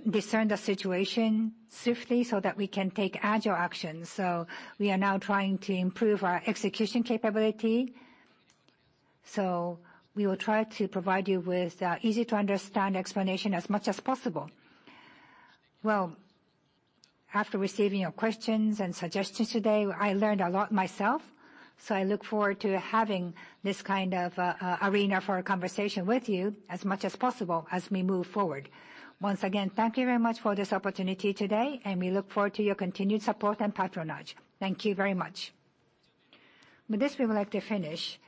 discern the situation swiftly so that we can take agile actions. We are now trying to improve our execution capability. We will try to provide you with easy-to-understand explanation as much as possible. After receiving your questions and suggestions today, I learned a lot myself, I look forward to having this kind of arena for a conversation with you as much as possible as we move forward. Once again, thank you very much for this opportunity today, we look forward to your continued support and patronage. Thank you very much. With this, we would like to finish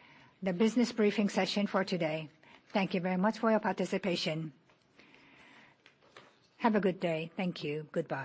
the business briefing session for today. Thank you very much for your participation. Have a good day. Thank you. Goodbye.